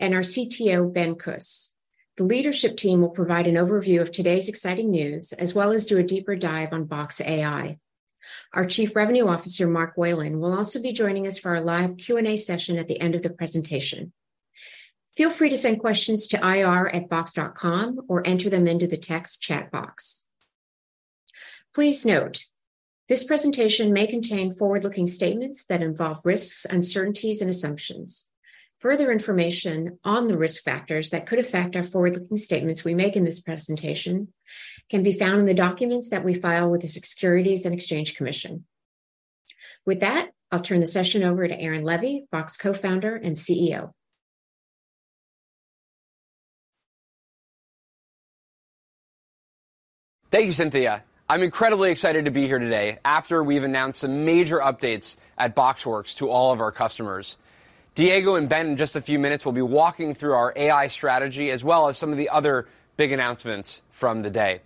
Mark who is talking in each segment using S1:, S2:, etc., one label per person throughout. S1: Our CTO, Ben Kus. The leadership team will provide an overview of today's exciting news, as well as do a deeper dive on Box AI. Our Chief Revenue Officer, Mark Wayland, will also be joining us for our live Q&A session at the end of the presentation. Feel free to send questions to ir@box.com or enter them into the text chat box. Please note, this presentation may contain forward-looking statements that involve risks, uncertainties, and assumptions. Further information on the risk factors that could affect our forward-looking statements we make in this presentation can be found in the documents that we file with the Securities and Exchange Commission. With that, I'll turn the session over to Aaron Levie, Box co-founder and CEO.
S2: Thank you, Cynthia. I'm incredibly excited to be here today after we've announced some major updates at BoxWorks to all of our customers. Diego and Ben, in just a few minutes, will be walking through our AI strategy, as well as some of the other big announcements from the day.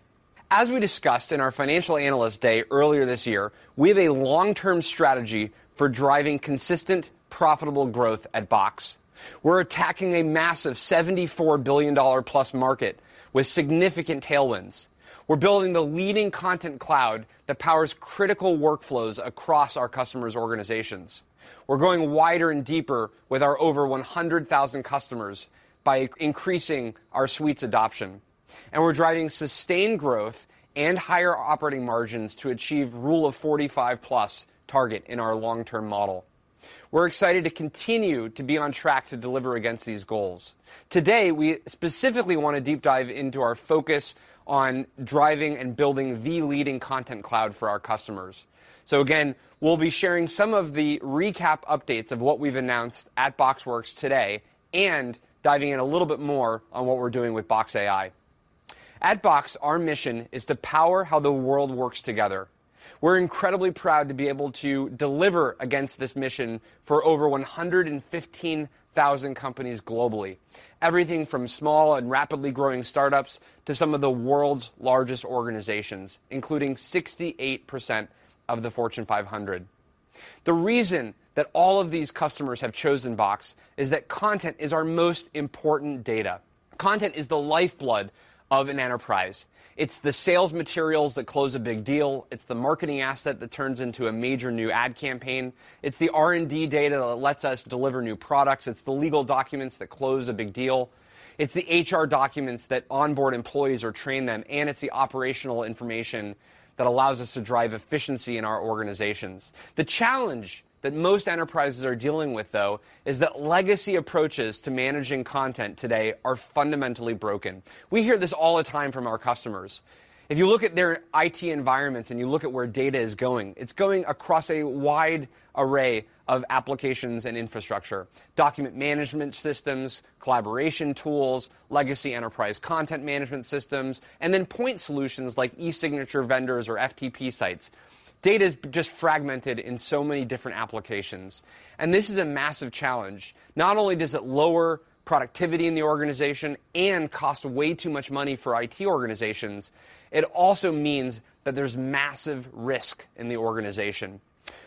S2: As we discussed in our Financial Analyst Day earlier this year, we have a long-term strategy for driving consistent, profitable growth at Box. We're attacking a massive $74 billion+ market with significant tailwinds. We're building the leading Content Cloud that powers critical workflows across our customers' organizations. We're going wider and deeper with our over 100,000 customers by increasing our Suites adoption, and we're driving sustained growth and higher operating margins to achieve Rule of 45+ target in our long-term model. We're excited to continue to be on track to deliver against these goals. Today, we specifically want to deep dive into our focus on driving and building the leading Content Cloud for our customers. So again, we'll be sharing some of the recap updates of what we've announced at BoxWorks today, and diving in a little bit more on what we're doing with Box AI. At Box, our mission is to power how the world works together. We're incredibly proud to be able to deliver against this mission for over 115,000 companies globally. Everything from small and rapidly growing startups to some of the world's largest organizations, including 68% of the Fortune 500. The reason that all of these customers have chosen Box is that content is our most important data. Content is the lifeblood of an enterprise. It's the sales materials that close a big deal. It's the marketing asset that turns into a major new ad campaign. It's the R&D data that lets us deliver new products. It's the legal documents that close a big deal. It's the HR documents that onboard employees or train them, and it's the operational information that allows us to drive efficiency in our organizations. The challenge that most enterprises are dealing with, though, is that legacy approaches to managing content today are fundamentally broken. We hear this all the time from our customers. If you look at their IT environments and you look at where data is going, it's going across a wide array of applications and infrastructure, document management systems, collaboration tools, legacy enterprise content management systems, and then point solutions like e-signature vendors or FTP sites. Data is just fragmented in so many different applications, and this is a massive challenge. Not only does it lower productivity in the organization and cost way too much money for IT organizations, it also means that there's massive risk in the organization.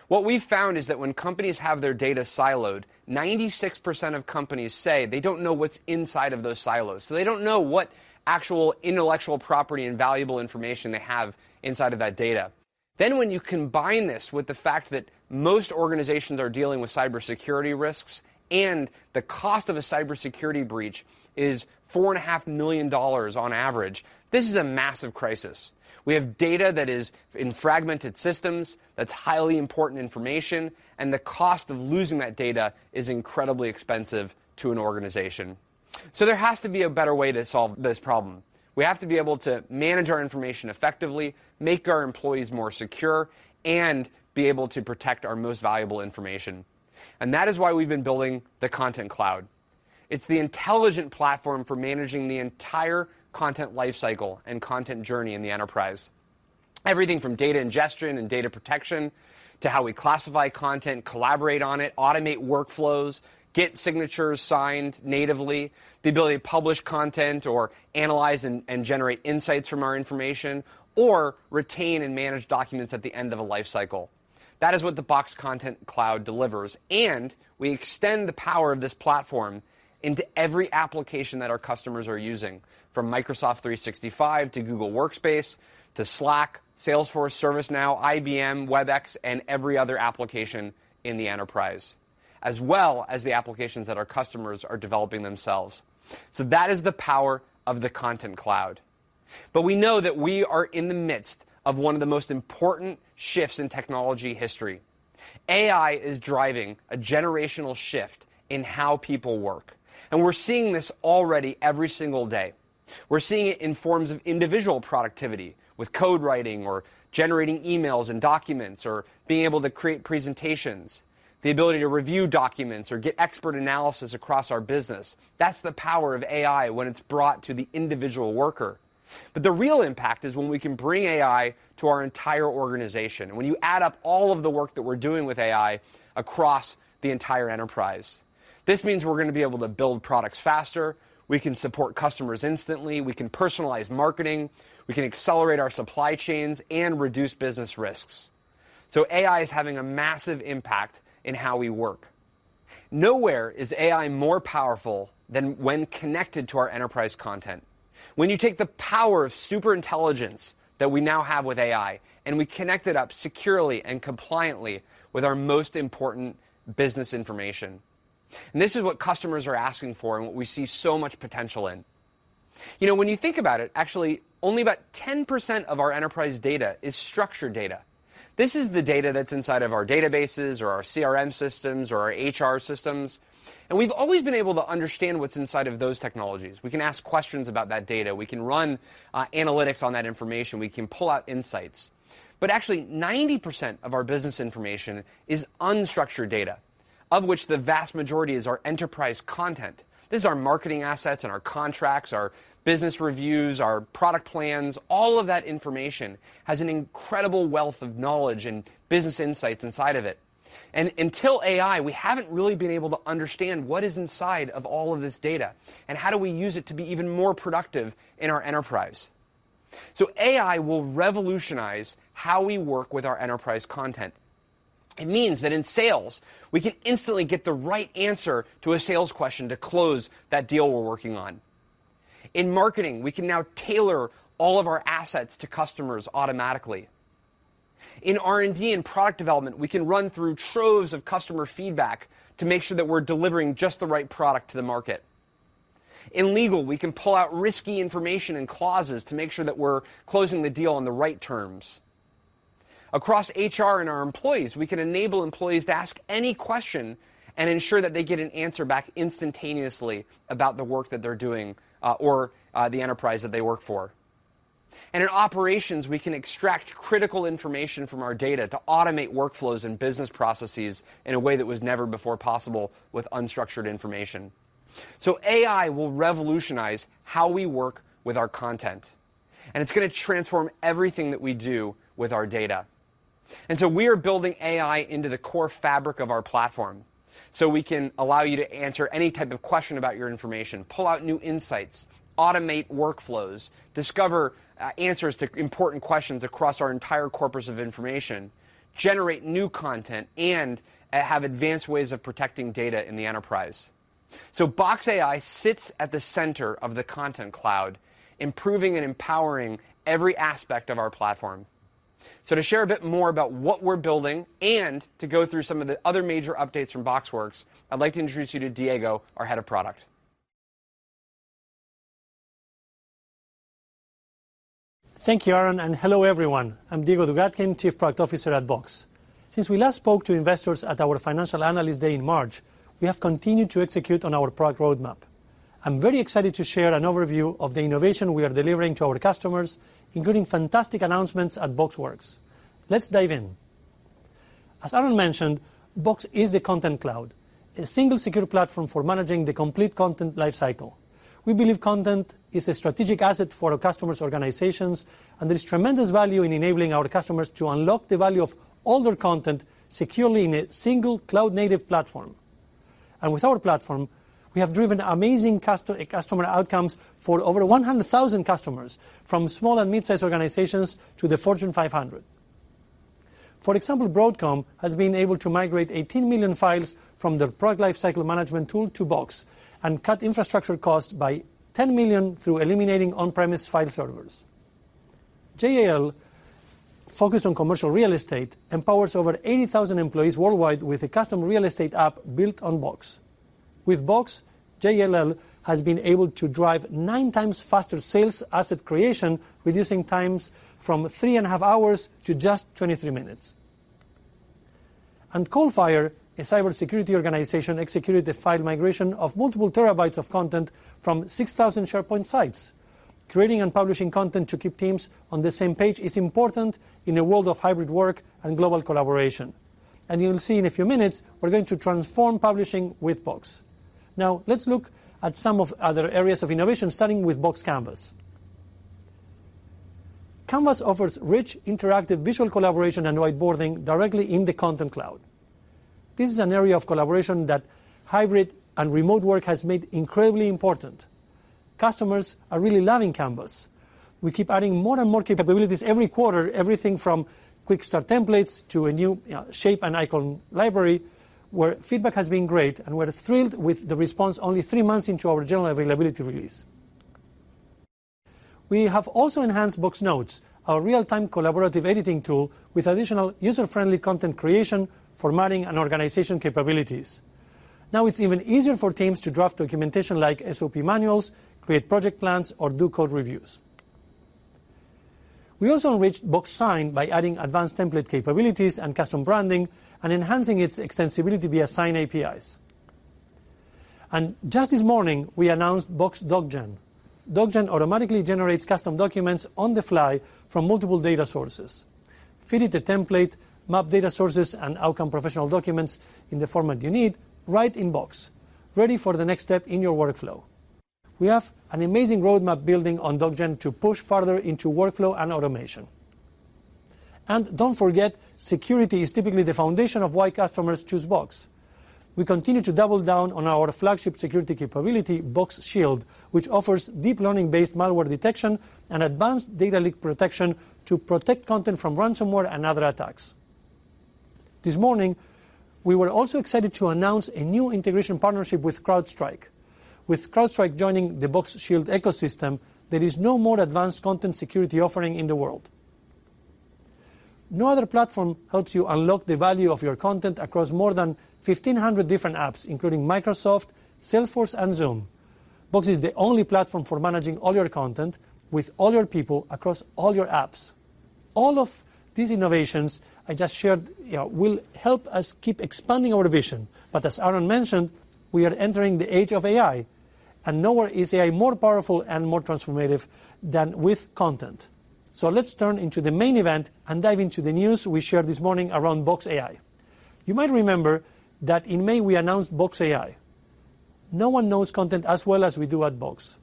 S2: What we found is that when companies have their data siloed, 96% of companies say they don't know what's inside of those silos, so they don't know what actual intellectual property and valuable information they have inside of that data. Then, when you combine this with the fact that most organizations are dealing with cybersecurity risks and the cost of a cybersecurity breach is $4.5 million on average, this is a massive crisis. We have data that is in fragmented systems, that's highly important information, and the cost of losing that data is incredibly expensive to an organization. So there has to be a better way to solve this problem. We have to be able to manage our information effectively, make our employees more secure, and be able to protect our most valuable information. That is why we've been building the Content Cloud. It's the intelligent platform for managing the entire content life cycle and content journey in the enterprise. Everything from data ingestion and data protection to how we classify content, collaborate on it, automate workflows, get signatures signed natively, the ability to publish content or analyze and generate insights from our information, or retain and manage documents at the end of a life cycle. That is what the Box Content Cloud delivers, and we extend the power of this platform into every application that our customers are using, from Microsoft 365 to Google Workspace to Slack, Salesforce, ServiceNow, IBM, WebEx, and every other application in the enterprise, as well as the applications that our customers are developing themselves. So that is the power of the Content Cloud. But we know that we are in the midst of one of the most important shifts in technology history. AI is driving a generational shift in how people work, and we're seeing this already every single day. We're seeing it in forms of individual productivity, with code writing or generating emails and documents, or being able to create presentations, the ability to review documents or get expert analysis across our business. That's the power of AI when it's brought to the individual worker. The real impact is when we can bring AI to our entire organization, when you add up all of the work that we're doing with AI across the entire enterprise. This means we're gonna be able to build products faster, we can support customers instantly, we can personalize marketing, we can accelerate our supply chains, and reduce business risks. AI is having a massive impact in how we work. Nowhere is AI more powerful than when connected to our enterprise content. When you take the power of super intelligence that we now have with AI, and we connect it up securely and compliantly with our most important business information. This is what customers are asking for and what we see so much potential in. You know, when you think about it, actually, only about 10% of our enterprise data is structured data. This is the data that's inside of our databases or our CRM systems or our HR systems, and we've always been able to understand what's inside of those technologies. We can ask questions about that data. We can run analytics on that information. We can pull out insights. But actually, 90% of our business information is unstructured data, of which the vast majority is our enterprise content. This is our marketing assets and our contracts, our business reviews, our product plans. All of that information has an incredible wealth of knowledge and business insights inside of it. And until AI, we haven't really been able to understand what is inside of all of this data and how do we use it to be even more productive in our enterprise. So AI will revolutionize how we work with our enterprise content. It means that in sales, we can instantly get the right answer to a sales question to close that deal we're working on. In marketing, we can now tailor all of our assets to customers automatically. In R&D and product development, we can run through troves of customer feedback to make sure that we're delivering just the right product to the market. In legal, we can pull out risky information and clauses to make sure that we're closing the deal on the right terms. Across HR and our employees, we can enable employees to ask any question and ensure that they get an answer back instantaneously about the work that they're doing, or the enterprise that they work for. In operations, we can extract critical information from our data to automate workflows and business processes in a way that was never before possible with unstructured information. AI will revolutionize how we work with our content, and it's going to transform everything that we do with our data. We are building AI into the core fabric of our platform so we can allow you to answer any type of question about your information, pull out new insights, automate workflows, discover answers to important questions across our entire corpus of information, generate new content, and have advanced ways of protecting data in the enterprise. Box AI sits at the center of the Content Cloud, improving and empowering every aspect of our platform. To share a bit more about what we're building and to go through some of the other major updates from BoxWorks, I'd like to introduce you to Diego, our Head of Product.
S3: Thank you, Aaron, and hello, everyone. I'm Diego Dugatkin, Chief Product Officer at Box. Since we last spoke to investors at our Financial Analyst Day in March, we have continued to execute on our product roadmap. I'm very excited to share an overview of the innovation we are delivering to our customers, including fantastic announcements at BoxWorks. Let's dive in. As Aaron mentioned, Box is the Content Cloud, a single secure platform for managing the complete content life cycle. We believe content is a strategic asset for our customers' organizations, and there is tremendous value in enabling our customers to unlock the value of all their content securely in a single cloud-native platform. And with our platform, we have driven amazing customer outcomes for over 100,000 customers, from small and mid-sized organizations to the Fortune 500. For example, Broadcom has been able to migrate 18 million files from their product lifecycle management tool to Box and cut infrastructure costs by $10 million through eliminating on-premise file servers. JLL, focused on commercial real estate, empowers over 80,000 employees worldwide with a custom real estate app built on Box. With Box, JLL has been able to drive 9x faster sales asset creation, reducing times from 3.5 hours to just 23 minutes. And Coalfire, a cybersecurity organization, executed the file migration of multiple terabytes of content from 6,000 SharePoint sites. Creating and publishing content to keep teams on the same page is important in a world of hybrid work and global collaboration, and you'll see in a few minutes, we're going to transform publishing with Box. Now, let's look at some of the other areas of innovation, starting with Box Canvas. Canvas offers rich, interactive, visual collaboration and whiteboarding directly in the Content Cloud. This is an area of collaboration that hybrid and remote work has made incredibly important. Customers are really loving Canvas. We keep adding more and more capabilities every quarter, everything from quick-start templates to a new, shape and icon library, where feedback has been great, and we're thrilled with the response only three months into our general availability release. We have also enhanced Box Notes, our real-time collaborative editing tool, with additional user-friendly content creation, formatting, and organization capabilities. Now, it's even easier for teams to draft documentation like SOP manuals, create project plans, or do code reviews. We also enriched Box Sign by adding advanced template capabilities and custom branding and enhancing its extensibility via Sign APIs. And just this morning, we announced Box Doc Gen. Doc Gen automatically generates custom documents on the fly from multiple data sources. Feed it a template, map data sources, and output professional documents in the format you need right in Box, ready for the next step in your workflow. We have an amazing roadmap building on Doc Gen to push further into workflow and automation. Don't forget, security is typically the foundation of why customers choose Box. We continue to double down on our flagship security capability, Box Shield, which offers deep learning-based malware detection and advanced data leak protection to protect content from ransomware and other attacks. This morning, we were also excited to announce a new integration partnership with CrowdStrike. With CrowdStrike joining the Box Shield ecosystem, there is no more advanced content security offering in the world. No other platform helps you unlock the value of your content across more than 1,500 different apps, including Microsoft, Salesforce, and Zoom. Box is the only platform for managing all your content with all your people across all your apps. All of these innovations I just shared will help us keep expanding our vision. But as Aaron mentioned, we are entering the age of AI, and nowhere is AI more powerful and more transformative than with content. So let's turn into the main event and dive into the news we shared this morning around Box AI. You might remember that in May, we announced Box AI. No one knows content as well as we do at Box.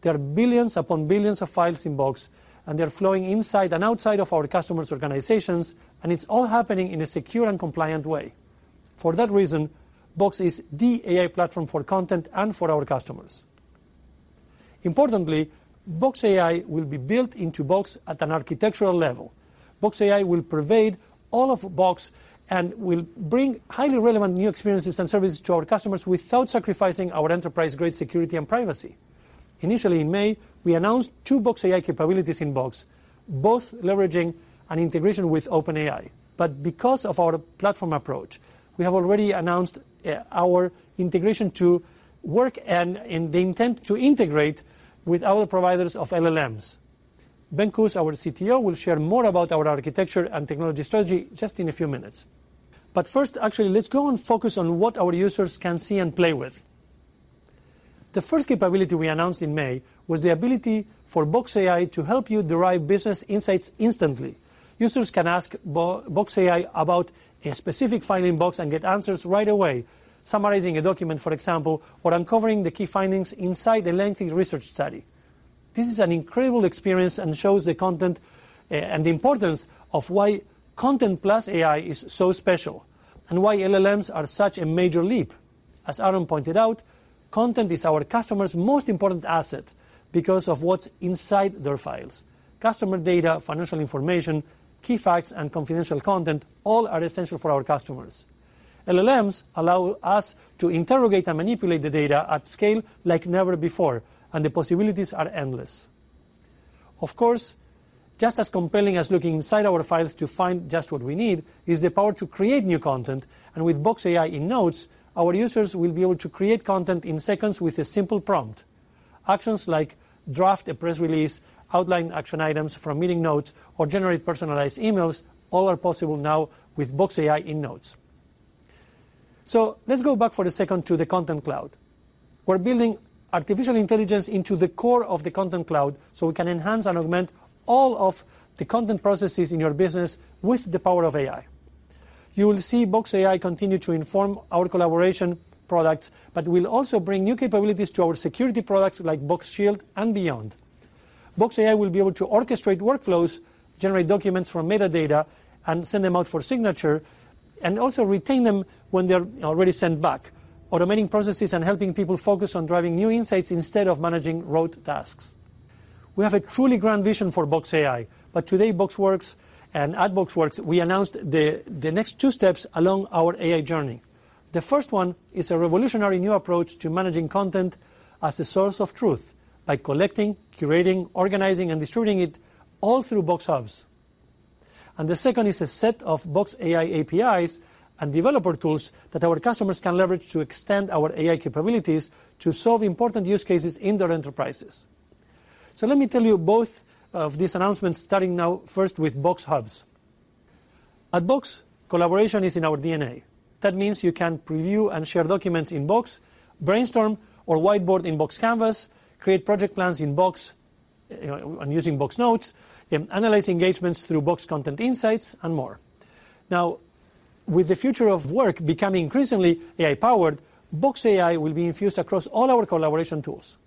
S3: There are billions upon billions of files in Box, and they're flowing inside and outside of our customers' organizations, and it's all happening in a secure and compliant way. For that reason, Box is the AI platform for content and for our customers. Importantly, Box AI will be built into Box at an architectural level. Box AI will pervade all of Box and will bring highly relevant new experiences and services to our customers without sacrificing our enterprise-grade security and privacy. Initially, in May, we announced two Box AI capabilities in Box, both leveraging an integration with OpenAI. But because of our platform approach, we have already announced our integration to work and the intent to integrate with other providers of LLMs. Ben Kus, our CTO, will share more about our architecture and technology strategy just in a few minutes. But first, actually, let's go and focus on what our users can see and play with. The first capability we announced in May was the ability for Box AI to help you derive business insights instantly. Users can ask Box AI about a specific file in Box and get answers right away, summarizing a document, for example, or uncovering the key findings inside a lengthy research study. This is an incredible experience and shows the content and the importance of why content plus AI is so special and why LLMs are such a major leap. As Aaron pointed out, content is our customers' most important asset because of what's inside their files. Customer data, financial information, key facts, and confidential content all are essential for our customers. LLMs allow us to interrogate and manipulate the data at scale like never before, and the possibilities are endless. Of course, just as compelling as looking inside our files to find just what we need is the power to create new content, and with Box AI in Notes, our users will be able to create content in seconds with a simple prompt. Actions like draft a press release, outline action items from meeting notes, or generate personalized emails all are possible now with Box AI in Notes. So let's go back for a second to the Content Cloud. We're building artificial intelligence into the core of the Content Cloud so we can enhance and augment all of the content processes in your business with the power of AI. You will see Box AI continue to inform our collaboration products, but we'll also bring new capabilities to our security products like Box Shield and beyond. Box AI will be able to orchestrate workflows, generate documents from metadata, and send them out for signature, and also retain them when they're already sent back, automating processes and helping people focus on driving new insights instead of managing rote tasks. We have a truly grand vision for Box AI, but today, BoxWorks and at BoxWorks, we announced the next two steps along our AI journey. The first one is a revolutionary new approach to managing content as a source of truth by collecting, curating, organizing, and distributing it all through Box Hubs. And the second is a set of Box AI APIs and developer tools that our customers can leverage to extend our AI capabilities to solve important use cases in their enterprises. So let me tell you both of these announcements, starting now first with Box Hubs. At Box, collaboration is in our DNA. That means you can preview and share documents in Box, brainstorm or whiteboard in Box Canvas, create project plans in Box, and using Box Notes, and analyze engagements through Box Content Insights and more. Now, with the future of work becoming increasingly AI-powered, Box AI will be infused across all our collaboration tools.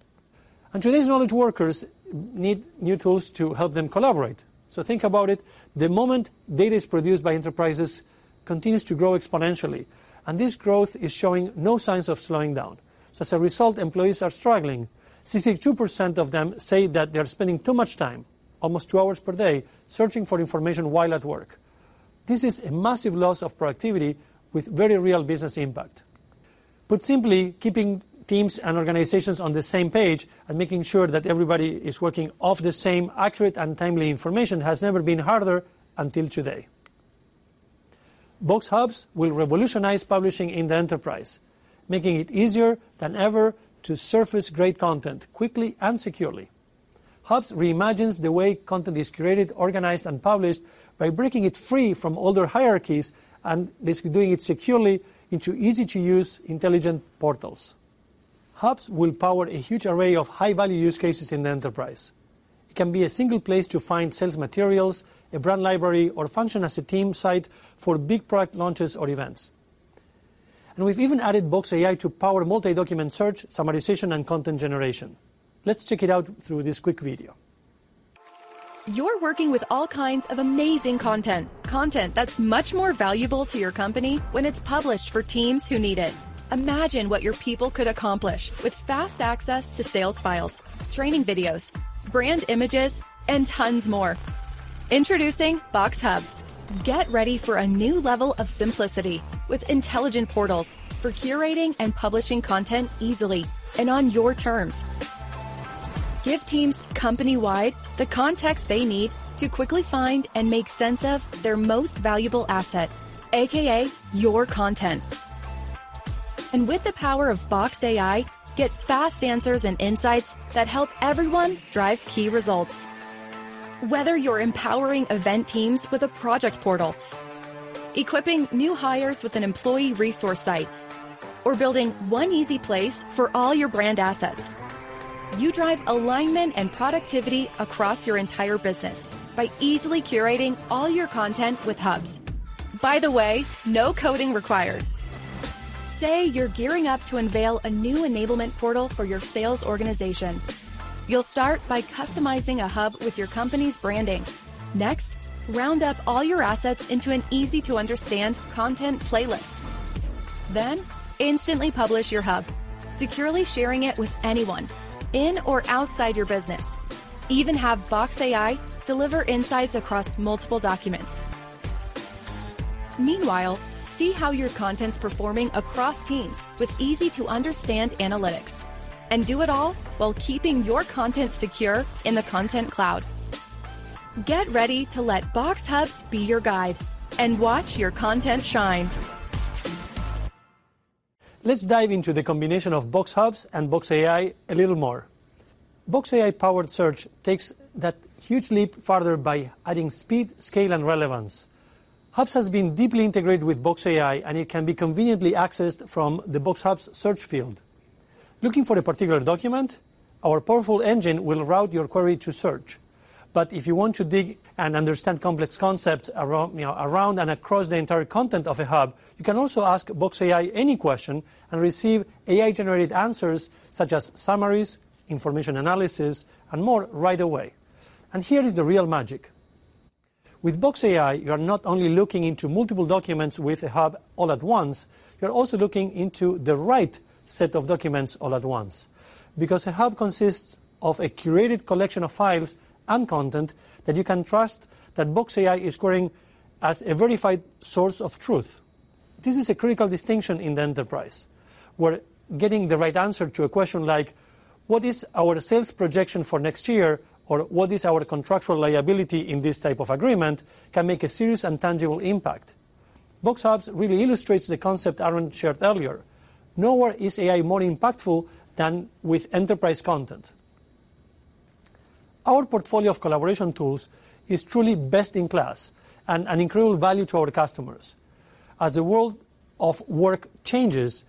S3: And today's knowledge workers need new tools to help them collaborate. So think about it. The amount data is produced by enterprises continues to grow exponentially, and this growth is showing no signs of slowing down. So as a result, employees are struggling. 62% of them say that they are spending too much time, almost two hours per day, searching for information while at work. This is a massive loss of productivity with very real business impact. Put simply, keeping teams and organizations on the same page and making sure that everybody is working off the same accurate and timely information has never been harder until today. Box Hubs will revolutionize publishing in the enterprise, making it easier than ever to surface great content quickly and securely. Hubs reimagines the way content is created, organized, and published by breaking it free from older hierarchies and basically doing it securely into easy-to-use intelligent portals. Hubs will power a huge array of high-value use cases in the enterprise. It can be a single place to find sales materials, a brand library, or function as a team site for big product launches or events. And we've even added Box AI to power multi-document search, summarization, and content generation. Let's check it out through this quick video.
S4: You're working with all kinds of amazing content, content that's much more valuable to your company when it's published for teams who need it. Imagine what your people could accomplish with fast access to sales files, training videos, brand images, and tons more. Introducing Box Hubs. Get ready for a new level of simplicity with intelligent portals for curating and publishing content easily and on your terms. Give teams company-wide the context they need to quickly find and make sense of their most valuable asset, AKA your content. And with the power of Box AI, get fast answers and insights that help everyone drive key results. Whether you're empowering event teams with a project portal, equipping new hires with an employee resource site, or building one easy place for all your brand assets, you drive alignment and productivity across your entire business by easily curating all your content with Hubs. By the way, no coding required! Say you're gearing up to unveil a new enablement portal for your sales organization. You'll start by customizing a hub with your company's branding. Next, round up all your assets into an easy-to-understand content playlist. Then instantly publish your hub, securely sharing it with anyone in or outside your business. Even have Box AI deliver insights across multiple documents. Meanwhile, see how your content's performing across teams with easy-to-understand analytics, and do it all while keeping your content secure in the Content Cloud. Get ready to let Box Hubs be your guide and watch your content shine.
S3: Let's dive into the combination of Box Hubs and Box AI a little more. Box AI-powered search takes that huge leap further by adding speed, scale, and relevance. Hubs has been deeply integrated with Box AI, and it can be conveniently accessed from the Box Hubs search field. Looking for a particular document? Our powerful engine will route your query to search. But if you want to dig and understand complex concepts around, you know, around and across the entire content of a hub, you can also ask Box AI any question and receive AI-generated answers such as summaries, information analysis, and more right away. And here is the real magic. With Box AI, you're not only looking into multiple documents with a hub all at once, you're also looking into the right set of documents all at once. Because a hub consists of a curated collection of files and content that you can trust that Box AI is querying as a verified source of truth. This is a critical distinction in the enterprise, where getting the right answer to a question like, "What is our sales projection for next year?" or, "What is our contractual liability in this type of agreement?" can make a serious and tangible impact. Box Hubs really illustrates the concept Aaron shared earlier: nowhere is AI more impactful than with enterprise content. Our portfolio of collaboration tools is truly best-in-class and an incredible value to our customers. As the world of work changes,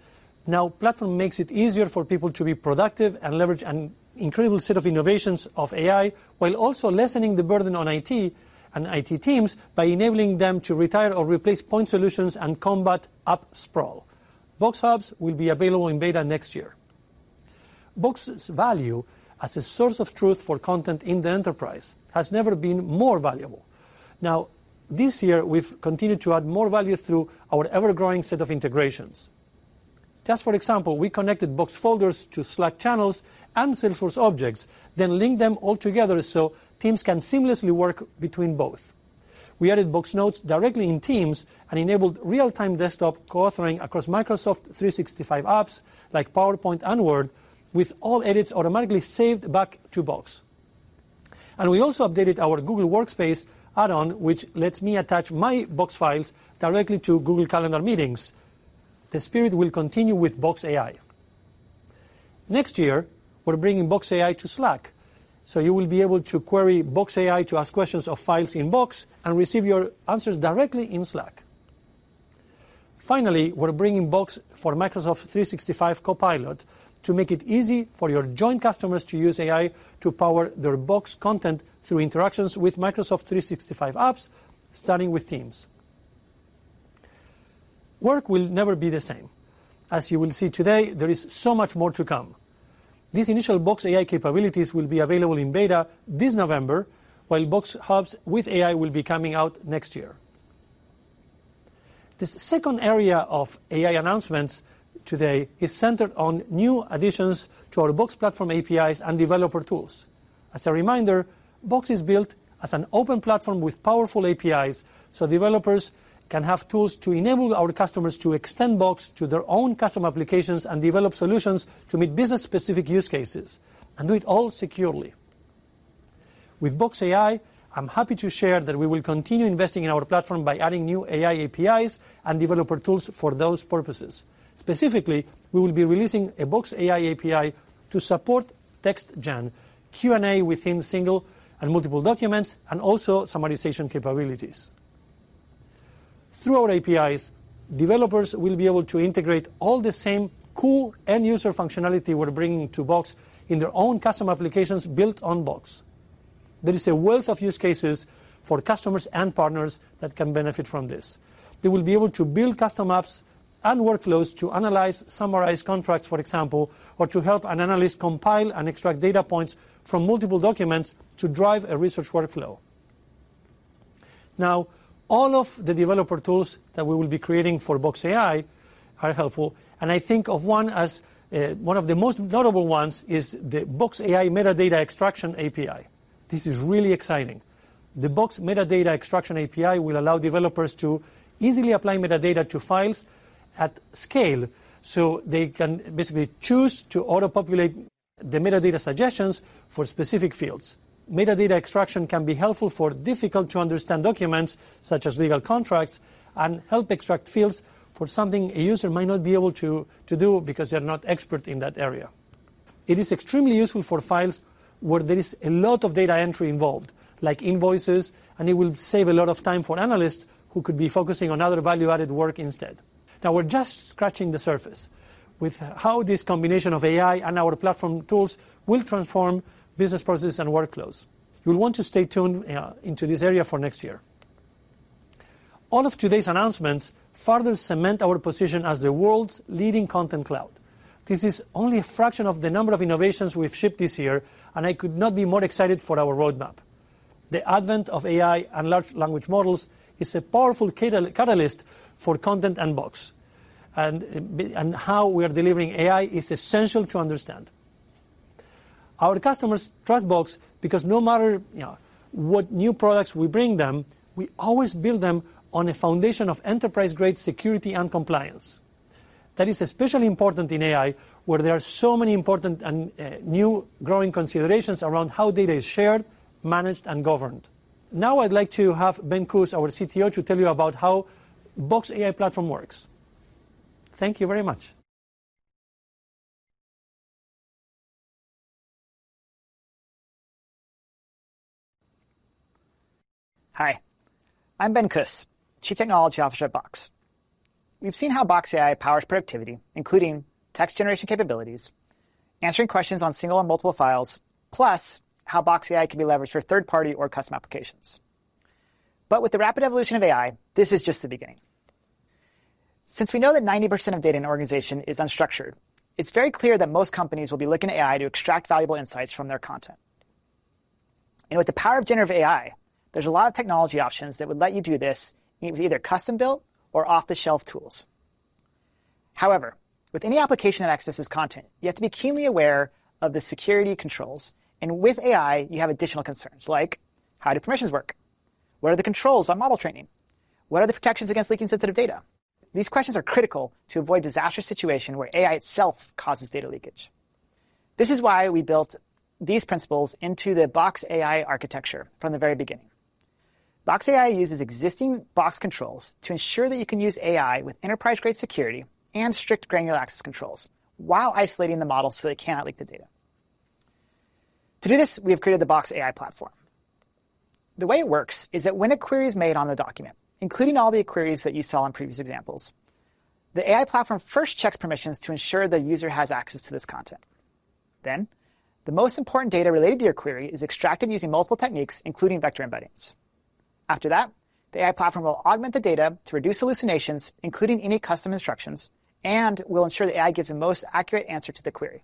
S3: our platform makes it easier for people to be productive and leverage an incredible set of innovations of AI, while also lessening the burden on IT and IT teams by enabling them to retire or replace point solutions and combat app sprawl. Box Hubs will be available in beta next year. Box's value as a source of truth for content in the enterprise has never been more valuable. This year, we've continued to add more value through our ever-growing set of integrations. Just for example, we connected Box folders to Slack channels and Salesforce objects, then linked them all together so teams can seamlessly work between both. We added Box Notes directly in Teams and enabled real-time desktop co-authoring across Microsoft 365 apps like PowerPoint and Word, with all edits automatically saved back to Box. We also updated our Google Workspace add-on, which lets me attach my Box files directly to Google Calendar meetings. The spirit will continue with Box AI. Next year, we're bringing Box AI to Slack, so you will be able to query Box AI to ask questions of files in Box and receive your answers directly in Slack. Finally, we're bringing Box for Microsoft 365 Copilot to make it easy for your joint customers to use AI to power their Box content through interactions with Microsoft 365 apps, starting with Teams. Work will never be the same. As you will see today, there is so much more to come. These initial Box AI capabilities will be available in beta this November, while Box Hubs with AI will be coming out next year. The second area of AI announcements today is centered on new additions to our Box Platform APIs and developer tools. As a reminder, Box is built as an open platform with powerful APIs, so developers can have tools to enable our customers to extend Box to their own custom applications and develop solutions to meet business-specific use cases and do it all securely. With Box AI, I'm happy to share that we will continue investing in our platform by adding new AI APIs and developer tools for those purposes. Specifically, we will be releasing a Box AI API to support text gen, Q&A within single and multiple documents, and also summarization capabilities. Through our APIs, developers will be able to integrate all the same cool end-user functionality we're bringing to Box in their own custom applications built on Box. There is a wealth of use cases for customers and partners that can benefit from this. They will be able to build custom apps and workflows to analyze, summarize contracts, for example, or to help an analyst compile and extract data points from multiple documents to drive a research workflow. Now, all of the developer tools that we will be creating for Box AI are helpful, and I think of one as, one of the most notable ones is the Box AI Metadata Extraction API. This is really exciting. The Box Metadata Extraction API will allow developers to easily apply metadata to files at scale, so they can basically choose to auto-populate the metadata suggestions for specific fields. Metadata extraction can be helpful for difficult-to-understand documents, such as legal contracts, and help extract fields for something a user might not be able to do because they're not expert in that area. It is extremely useful for files where there is a lot of data entry involved, like invoices, and it will save a lot of time for analysts who could be focusing on other value-added work instead. Now, we're just scratching the surface with how this combination of AI and our platform tools will transform business processes and workflows. You'll want to stay tuned into this area for next year. All of today's announcements further cement our position as the world's leading content cloud. This is only a fraction of the number of innovations we've shipped this year, and I could not be more excited for our roadmap. The advent of AI and large language models is a powerful catalyst for content and Box, and how we are delivering AI is essential to understand. Our customers trust Box because no matter, you know, what new products we bring them, we always build them on a foundation of enterprise-grade security and compliance. That is especially important in AI, where there are so many important and new growing considerations around how data is shared, managed, and governed. Now, I'd like to have Ben Kus, our CTO, to tell you about how Box AI platform works. Thank you very much.
S5: Hi, I'm Ben Kus, Chief Technology Officer at Box. We've seen how Box AI powers productivity, including text generation capabilities, answering questions on single and multiple files, plus how Box AI can be leveraged for third-party or custom applications. But with the rapid evolution of AI, this is just the beginning. Since we know that 90% of data in an organization is unstructured, it's very clear that most companies will be looking at AI to extract valuable insights from their content. And with the power of generative AI, there's a lot of technology options that would let you do this with either custom-built or off-the-shelf tools. However, with any application that accesses content, you have to be keenly aware of the security controls, and with AI, you have additional concerns, like: How do permissions work? What are the controls on model training? What are the protections against leaking sensitive data? These questions are critical to avoid a disastrous situation where AI itself causes data leakage. This is why we built these principles into the Box AI architecture from the very beginning. Box AI uses existing Box controls to ensure that you can use AI with enterprise-grade security and strict granular access controls while isolating the models so they cannot leak the data. To do this, we have created the Box AI platform. The way it works is that when a query is made on a document, including all the queries that you saw in previous examples, the AI platform first checks permissions to ensure the user has access to this content. Then, the most important data related to your query is extracted using multiple techniques, including vector embeddings. After that, the AI platform will augment the data to reduce hallucinations, including any custom instructions, and will ensure the AI gives the most accurate answer to the query.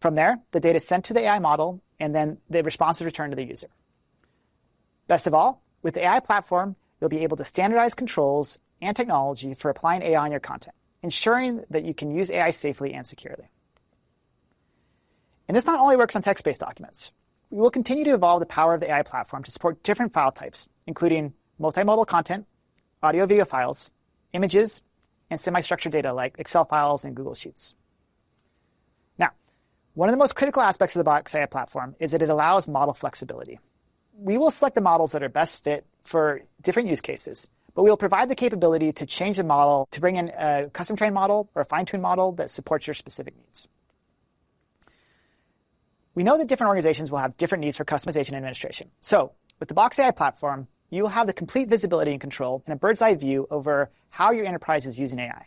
S5: From there, the data is sent to the AI model, and then the response is returned to the user. Best of all, with the AI platform, you'll be able to standardize controls and technology for applying AI on your content, ensuring that you can use AI safely and securely. And this not only works on text-based documents. We will continue to evolve the power of the AI platform to support different file types, including multimodal content, audio-video files, images, and semi-structured data like Excel files and Google Sheets. Now, one of the most critical aspects of the Box AI platform is that it allows model flexibility. We will select the models that are best fit for different use cases, but we will provide the capability to change the model to bring in a custom-trained model or a fine-tuned model that supports your specific needs. We know that different organizations will have different needs for customization and administration. So with the Box AI platform, you will have the complete visibility and control and a bird's-eye view over how your enterprise is using AI.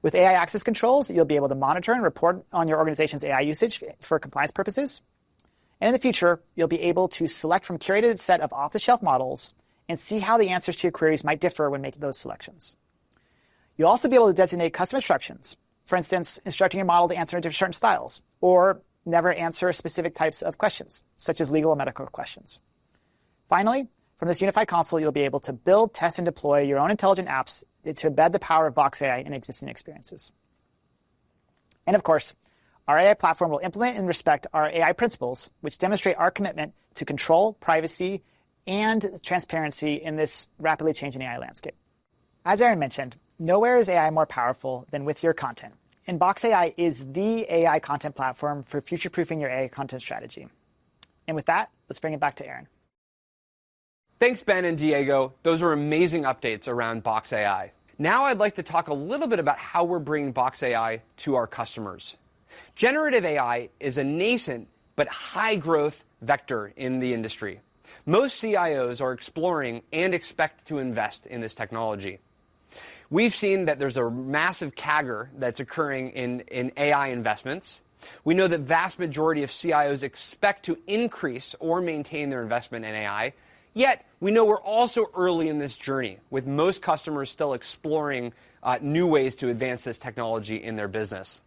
S5: With AI access controls, you'll be able to monitor and report on your organization's AI usage for compliance purposes. In the future, you'll be able to select from a curated set of off-the-shelf models and see how the answers to your queries might differ when making those selections. You'll also be able to designate custom instructions. For instance, instructing your model to answer in different certain styles or never answer specific types of questions, such as legal or medical questions. Finally, from this unified console, you'll be able to build, test, and deploy your own intelligent apps to embed the power of Box AI in existing experiences. And of course, our AI platform will implement and respect our AI principles, which demonstrate our commitment to control, privacy, and transparency in this rapidly changing AI landscape. As Aaron mentioned, nowhere is AI more powerful than with your content, and Box AI is the AI content platform for future-proofing your AI content strategy. And with that, let's bring it back to Aaron.
S2: Thanks, Ben and Diego. Those were amazing updates around Box AI. Now, I'd like to talk a little bit about how we're bringing Box AI to our customers. Generative AI is a nascent but high-growth vector in the industry. Most CIOs are exploring and expect to invest in this technology. We've seen that there's a massive CAGR that's occurring in AI investments. We know the vast majority of CIOs expect to increase or maintain their investment in AI. Yet, we know we're also early in this journey, with most customers still exploring new ways to advance this technology in their business.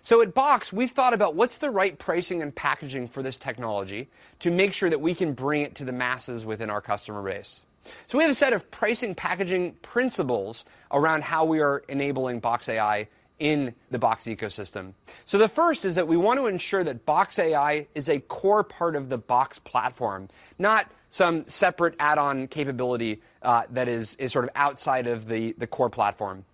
S2: So at Box, we've thought about what's the right pricing and packaging for this technology to make sure that we can bring it to the masses within our customer base. So we have a set of pricing, packaging principles around how we are enabling Box AI in the Box ecosystem. So the first is that we want to ensure that Box AI is a core part of the Box platform, not some separate add-on capability, that is sort of outside of the core platform.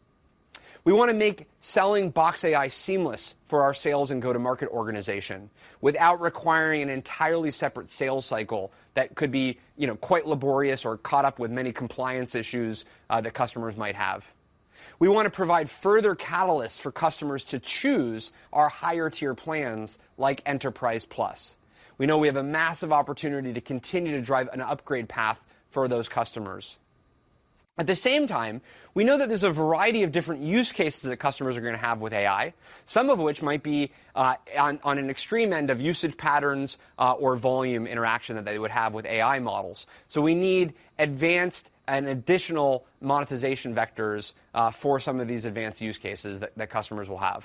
S2: We wanna make selling Box AI seamless for our sales and go-to-market organization without requiring an entirely separate sales cycle that could be, you know, quite laborious or caught up with many compliance issues, that customers might have. We wanna provide further catalysts for customers to choose our higher-tier plans, like Enterprise Plus. We know we have a massive opportunity to continue to drive an upgrade path for those customers. At the same time, we know that there's a variety of different use cases that customers are gonna have with AI, some of which might be, on, on an extreme end of usage patterns, or volume interaction that they would have with AI models. So we need advanced and additional monetization vectors, for some of these advanced use cases that customers will have.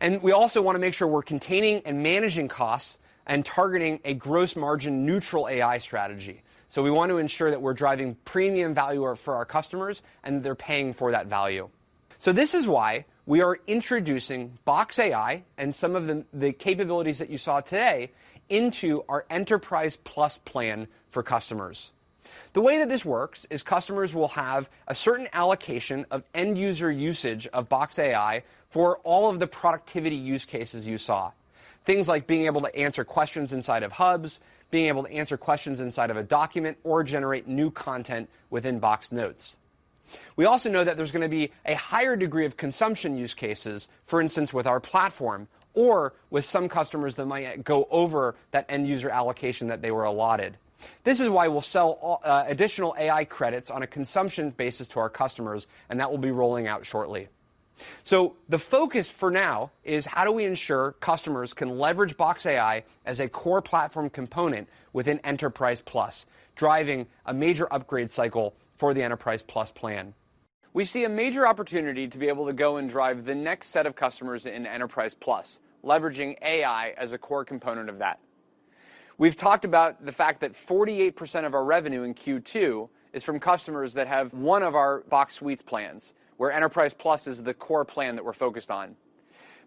S2: And we also wanna make sure we're containing and managing costs and targeting a gross margin neutral AI strategy. So we want to ensure that we're driving premium value for our customers, and they're paying for that value. So this is why we are introducing Box AI and some of the, the capabilities that you saw today into our Enterprise Plus plan for customers. The way that this works is customers will have a certain allocation of end-user usage of Box AI for all of the productivity use cases you saw, things like being able to answer questions inside of Hubs, being able to answer questions inside of a document, or generate new content within Box Notes. We also know that there's gonna be a higher degree of consumption use cases, for instance, with our platform, or with some customers that might go over that end-user allocation that they were allotted. This is why we'll sell all, additional AI credits on a consumption basis to our customers, and that will be rolling out shortly. So the focus for now is: how do we ensure customers can leverage Box AI as a core platform component within Enterprise Plus, driving a major upgrade cycle for the Enterprise Plus plan? We see a major opportunity to be able to go and drive the next set of customers in Enterprise Plus, leveraging AI as a core component of that. We've talked about the fact that 48% of our revenue in Q2 is from customers that have one of our Box Suites plans, where Enterprise Plus is the core plan that we're focused on.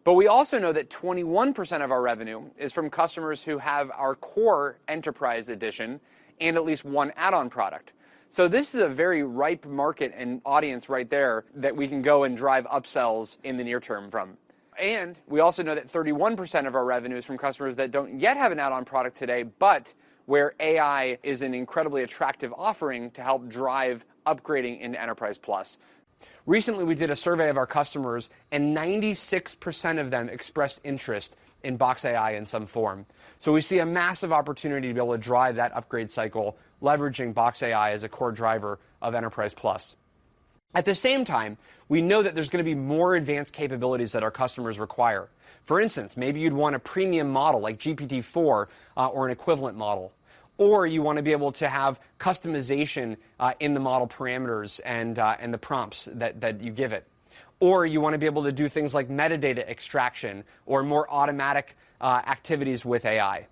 S2: But we also know that 21% of our revenue is from customers who have our core Enterprise edition and at least one add-on product. So this is a very ripe market and audience right there that we can go and drive upsells in the near term from. And we also know that 31% of our revenue is from customers that don't yet have an add-on product today, but where AI is an incredibly attractive offering to help drive upgrading into Enterprise Plus. Recently, we did a survey of our customers, and 96% of them expressed interest in Box AI in some form. So we see a massive opportunity to be able to drive that upgrade cycle, leveraging Box AI as a core driver of Enterprise Plus. At the same time, we know that there's gonna be more advanced capabilities that our customers require. For instance, maybe you'd want a premium model like GPT-4, or an equivalent model, or you wanna be able to have customization in the model parameters and the prompts that you give it. Or you wanna be able to do things like metadata extraction or more automatic activities with AI.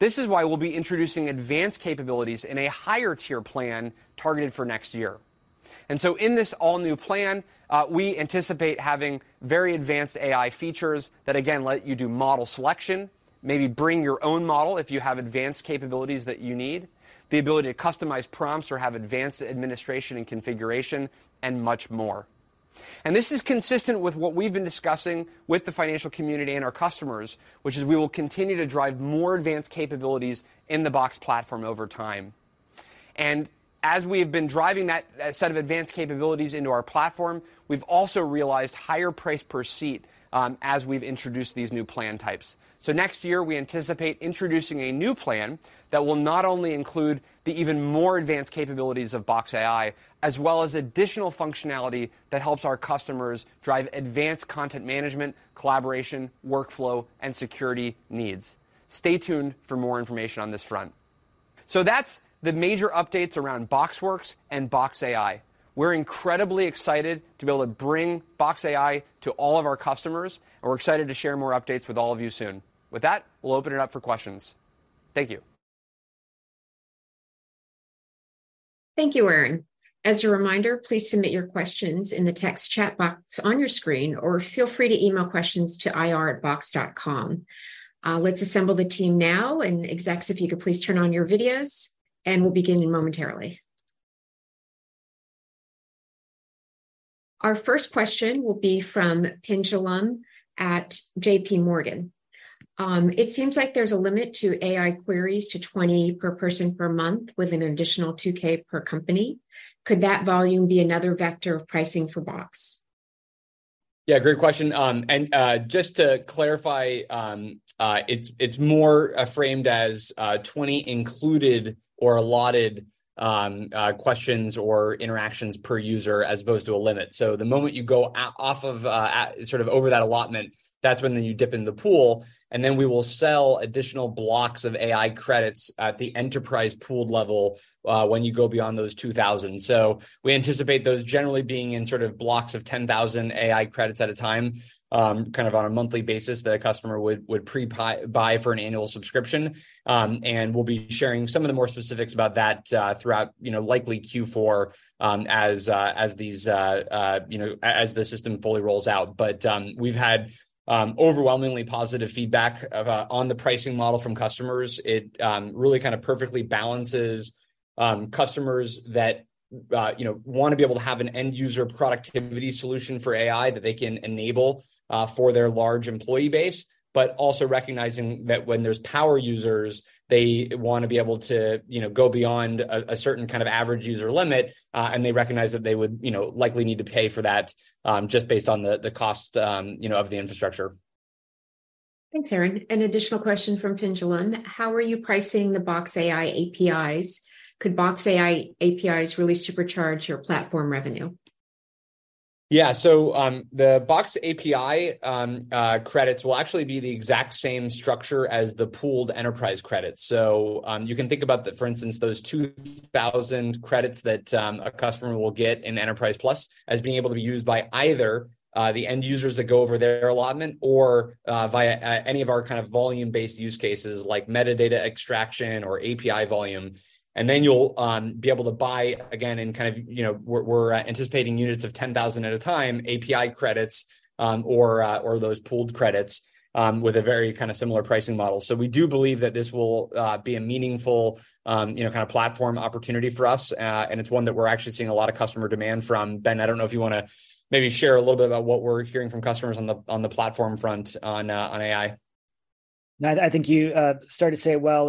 S2: This is why we'll be introducing advanced capabilities in a higher-tier plan targeted for next year. In this all-new plan, we anticipate having very advanced AI features that, again, let you do model selection, maybe bring your own model if you have advanced capabilities that you need, the ability to customize prompts or have advanced administration and configuration, and much more. This is consistent with what we've been discussing with the financial community and our customers, which is we will continue to drive more advanced capabilities in the Box platform over time. As we have been driving that set of advanced capabilities into our platform, we've also realized higher price per seat as we've introduced these new plan types. Next year, we anticipate introducing a new plan that will not only include the even more advanced capabilities of Box AI, as well as additional functionality that helps our customers drive advanced content management, collaboration, workflow, and security needs. Stay tuned for more information on this front. So that's the major updates around BoxWorks and Box AI. We're incredibly excited to be able to bring Box AI to all of our customers, and we're excited to share more updates with all of you soon. With that, we'll open it up for questions. Thank you.
S1: Thank you, Aaron. As a reminder, please submit your questions in the text chat box on your screen, or feel free to email questions to ir@box.com. Let's assemble the team now, and execs, if you could please turn on your videos, and we'll begin momentarily. Our first question will be from Pinjalim at JPMorgan. "It seems like there's a limit to AI queries to 20 per person per month, with an additional 2,000 per company. Could that volume be another vector of pricing for Box?
S2: Yeah, great question. And just to clarify, it's more framed as 20 included or allotted questions or interactions per user, as opposed to a limit. So the moment you go sort of over that allotment, that's when you dip in the pool, and then we will sell additional blocks of AI credits at the enterprise pooled level when you go beyond those 2,000. So we anticipate those generally being in sort of blocks of 10,000 AI credits at a time, kind of on a monthly basis that a customer would pre-buy for an annual subscription. And we'll be sharing some of the more specifics about that throughout, you know, likely Q4, as these you know as the system fully rolls out. But we've had overwhelmingly positive feedback on the pricing model from customers. It really kind of perfectly balances customers that, you know, wanna be able to have an end-user productivity solution for AI that they can enable for their large employee base. But also recognizing that when there's power users, they wanna be able to, you know, go beyond a certain kind of average-user limit, and they recognize that they would, you know, likely need to pay for that just based on the cost, you know, of the infrastructure.
S1: Thanks, Aaron. An additional question from Pinjalim: How are you pricing the Box AI APIs? Could Box AI APIs really supercharge your platform revenue?
S2: Yeah. So, the Box API credits will actually be the exact same structure as the pooled enterprise credits. So, you can think about the, for instance, those 2000 credits that a customer will get in Enterprise Plus as being able to be used by either the end users that go over their allotment or via any of our kind of volume-based use cases, like metadata extraction or API volume. And then you'll be able to buy again in kind of... You know, we're anticipating units of 10,000 at a time, API credits or those pooled credits with a very kind of similar pricing model. So we do believe that this will be a meaningful, you know, kind of platform opportunity for us, and it's one that we're actually seeing a lot of customer demand from. Ben, I don't know if you wanna maybe share a little bit about what we're hearing from customers on the platform front on AI.
S5: No, I think you started to say it well.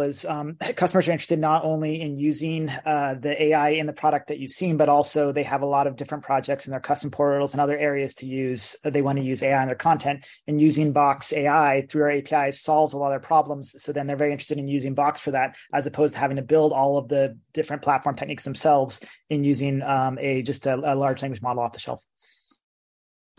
S5: Customers are interested not only in using the AI in the product that you've seen, but also they have a lot of different projects in their custom portals and other areas to use. They wanna use AI in their content, and using Box AI through our API solves a lot of their problems. So then they're very interested in using Box for that, as opposed to having to build all of the different platform techniques themselves in using just a large language model off the shelf.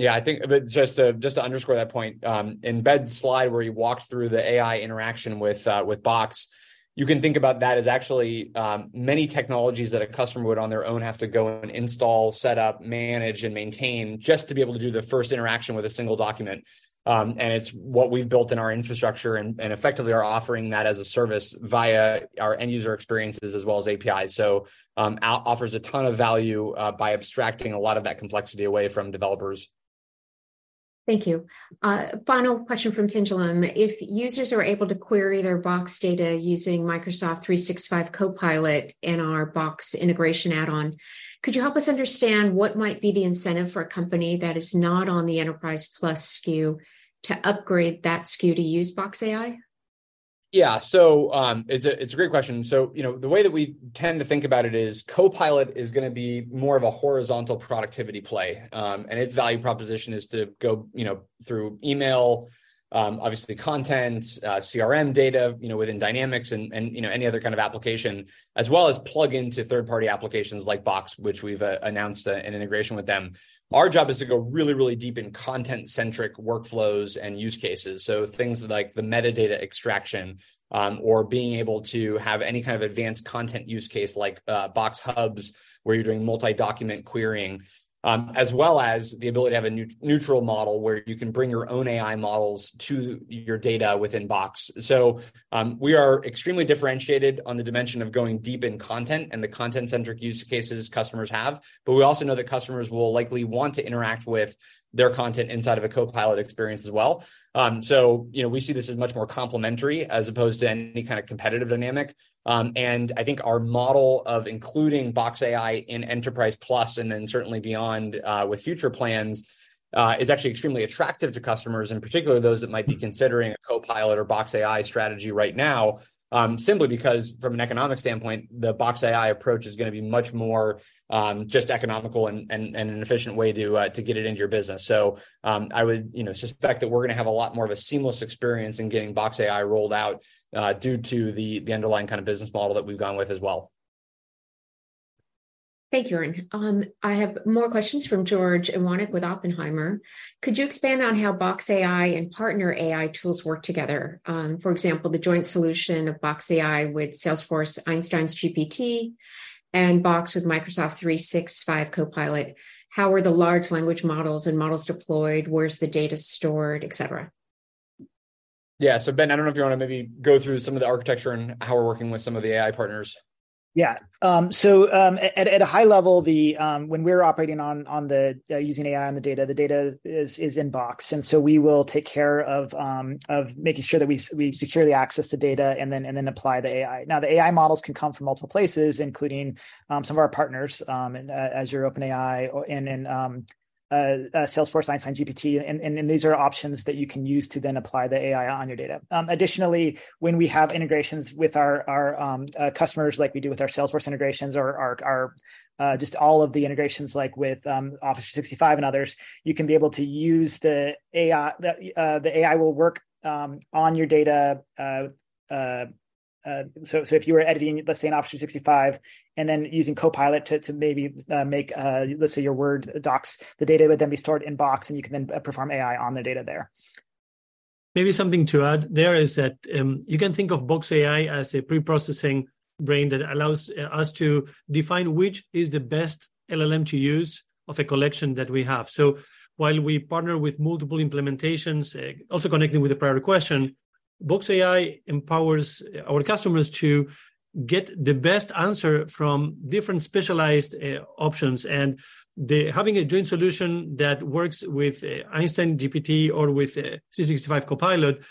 S2: Yeah, I think that just to underscore that point, in Ben's slide, where he walked through the AI interaction with, with Box, you can think about that as actually, many technologies that a customer would on their own have to go and install, set up, manage, and maintain just to be able to do the first interaction with a single document. And it's what we've built in our infrastructure and, and effectively are offering that as a service via our end-user experiences, as well as APIs. So, offers a ton of value, by abstracting a lot of that complexity away from developers.
S1: Thank you. Final question from Pinjalim: If users are able to query their Box data using Microsoft 365 Copilot and our Box integration add-on, could you help us understand what might be the incentive for a company that is not on the Enterprise Plus SKU to upgrade that SKU to use Box AI?
S2: Yeah. So, it's a great question. So, you know, the way that we tend to think about it is Copilot is gonna be more of a horizontal productivity play. And its value proposition is to go, you know, through email, obviously content, CRM data, you know, within Dynamics and, and, you know, any other kind of application, as well as plug into third-party applications like Box, which we've announced an integration with them. Our job is to go really, really deep in content-centric workflows and use cases, so things like the metadata extraction, or being able to have any kind of advanced content use case, like, Box Hubs, where you're doing multi-document querying, as well as the ability to have a neutral model, where you can bring your own AI models to your data within Box. So, we are extremely differentiated on the dimension of going deep in content and the content-centric use cases customers have, but we also know that customers will likely want to interact with their content inside of a Copilot experience as well. So, you know, we see this as much more complementary, as opposed to any kind of competitive dynamic. And I think our model of including Box AI in Enterprise Plus, and then certainly beyond, with future plans, is actually extremely attractive to customers, and particularly those that might be considering a Copilot or Box AI strategy right now. Simply because, from an economic standpoint, the Box AI approach is gonna be much more just economical and an efficient way to get it into your business. So, I would, you know, suspect that we're gonna have a lot more of a seamless experience in getting Box AI rolled out, due to the underlying kind of business model that we've gone with as well.
S1: Thank you, Aaron. I have more questions from George Iwanyc with Oppenheimer: Could you expand on how Box AI and partner AI tools work together? For example, the joint solution of Box AI with Salesforce Einstein GPT, and Box with Microsoft 365 Copilot. How are the large language models and models deployed? Where's the data stored, et cetera?
S2: Yeah, so Ben, I don't know if you wanna maybe go through some of the architecture and how we're working with some of the AI partners.
S5: Yeah, so, at a high level, when we're operating on using AI on the data, the data is in Box. And so we will take care of making sure that we securely access the data, and then apply the AI. Now, the AI models can come from multiple places, including some of our partners, and Azure, OpenAI, or Salesforce Einstein GPT, and these are options that you can use to then apply the AI on your data. Additionally, when we have integrations with our customers, like we do with our Salesforce integrations or our just all of the integrations, like with Office 365 and others, you can be able to use the AI. The AI will work on your data, so if you were editing, let's say, in Microsoft 365, and then using Copilot to maybe make, let's say, your Word docs, the data would then be stored in Box, and you can then perform AI on the data there.
S3: Maybe something to add there is that you can think of Box AI as a pre-processing brain that allows us to define which is the best LLM to use of a collection that we have. So while we partner with multiple implementations, also connecting with the prior question, Box AI empowers our customers to get the best answer from different specialized options. And the having a joint solution that works with Einstein GPT or with 365 Copilot,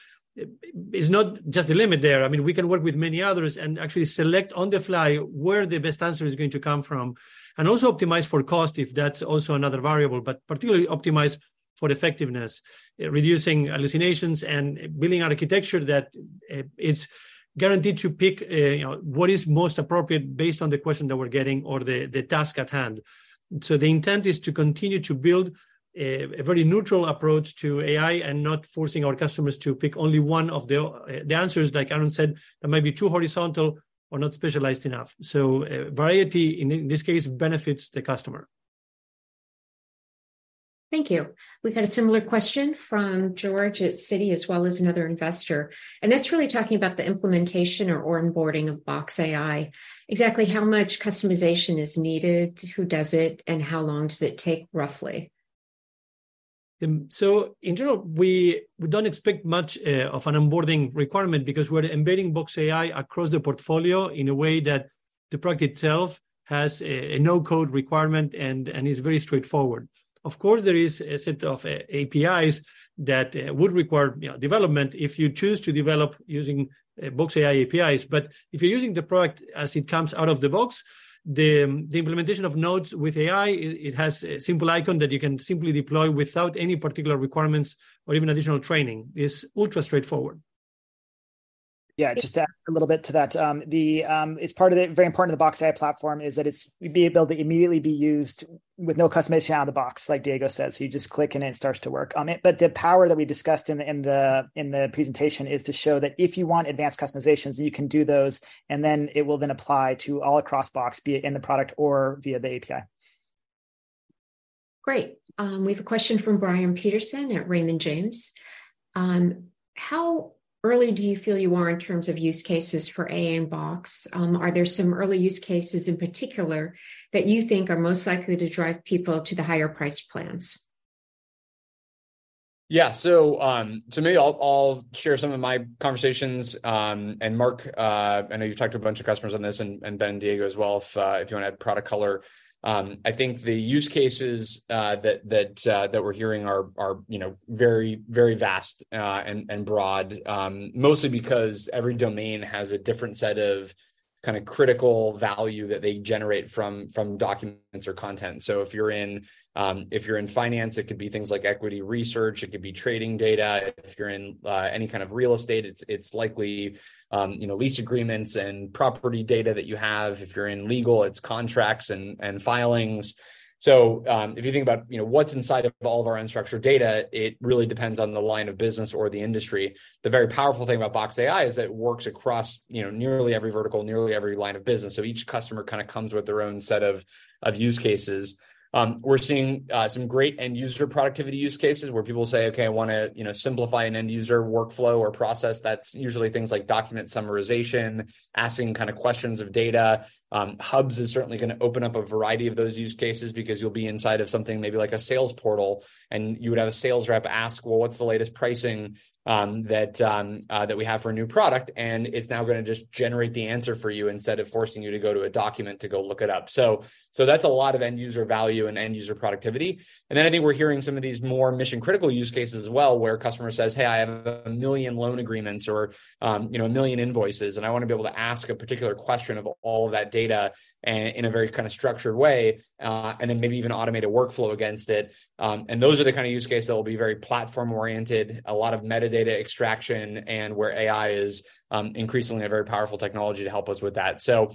S3: it's not just the limit there. I mean, we can work with many others and actually select on the fly where the best answer is going to come from, and also optimize for cost, if that's also another variable. But particularly, optimize for effectiveness, reducing hallucinations and building out architecture that is guaranteed to pick, you know, what is most appropriate based on the question that we're getting or the task at hand. So the intent is to continue to build a very neutral approach to AI and not forcing our customers to pick only one of the answers, like Aaron said, that may be too horizontal or not specialized enough. So, variety, in this case, benefits the customer.
S1: Thank you. We've had a similar question from George at Citi, as well as another investor, and that's really talking about the implementation or onboarding of Box AI. Exactly how much customization is needed? Who does it, and how long does it take, roughly?
S3: So in general, we don't expect much of an onboarding requirement because we're embedding Box AI across the portfolio in a way that the product itself has a no-code requirement and is very straightforward. Of course, there is a set of APIs that would require, you know, development if you choose to develop using Box AI APIs. But if you're using the product as it comes out of the box, the implementation of Box Notes with AI, it has a simple icon that you can simply deploy without any particular requirements or even additional training. It's ultra straightforward.
S5: Yeah, just to add a little bit to that. It's part of the very important to the Box AI platform is that it's be able to immediately be used with no customization out of the box, like Diego says. So you just click, and it starts to work on it. But the power that we discussed in the presentation is to show that if you want advanced customizations, you can do those, and then it will then apply to all across Box, be it in the product or via the API.
S1: Great. We have a question from Brian Peterson at Raymond James. How early do you feel you are in terms of use cases for AI in Box? Are there some early use cases in particular that you think are most likely to drive people to the higher-priced plans?
S2: Yeah. So, to me, I'll share some of my conversations. And Mark, I know you've talked to a bunch of customers on this, and Ben and Diego as well, if you want to add product color. I think the use cases that we're hearing are, you know, very vast and broad. Mostly because every domain has a different set of kind of critical value that they generate from documents or content. So if you're in finance, it could be things like equity research. It could be trading data. If you're in any kind of real estate, it's likely, you know, lease agreements and property data that you have. If you're in legal, it's contracts and filings. So, if you think about, you know, what's inside of all of our unstructured data, it really depends on the line of business or the industry. The very powerful thing about Box AI is that it works across, you know, nearly every vertical, nearly every line of business, so each customer kind of comes with their own set of use cases. We're seeing some great end-user productivity use cases where people say, "Okay, I wanna, you know, simplify an end-user workflow or process." That's usually things like document summarization, asking kind of questions of data. Hubs is certainly gonna open up a variety of those use cases because you'll be inside of something, maybe like a sales portal, and you would have a sales rep ask, "Well, what's the latest pricing that we have for a new product?" And it's now gonna just generate the answer for you instead of forcing you to go to a document to go look it up. So that's a lot of end-user value and end-user productivity. And then I think we're hearing some of these more mission-critical use cases as well, where a customer says, "Hey, I have 1 million loan agreements or, you know, 1 million invoices, and I want to be able to ask a particular question of all of that data in a very kind of structured way, and then maybe even automate a workflow against it." And those are the kind of use cases that will be very platform-oriented, a lot of metadata extraction, and where AI is increasingly a very powerful technology to help us with that. So,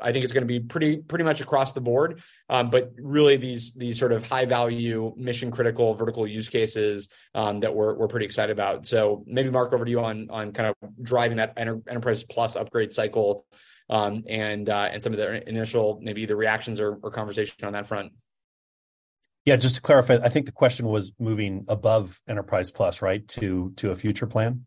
S2: I think it's gonna be pretty, pretty much across the board, but really these, these sort of high-value, mission-critical, vertical use cases, that we're, we're pretty excited about. So maybe, Mark, over to you on kind of driving that Enterprise Plus upgrade cycle, and some of the initial, maybe the reactions or conversation on that front.
S6: Yeah, just to clarify, I think the question was moving above Enterprise Plus, right, to a future plan,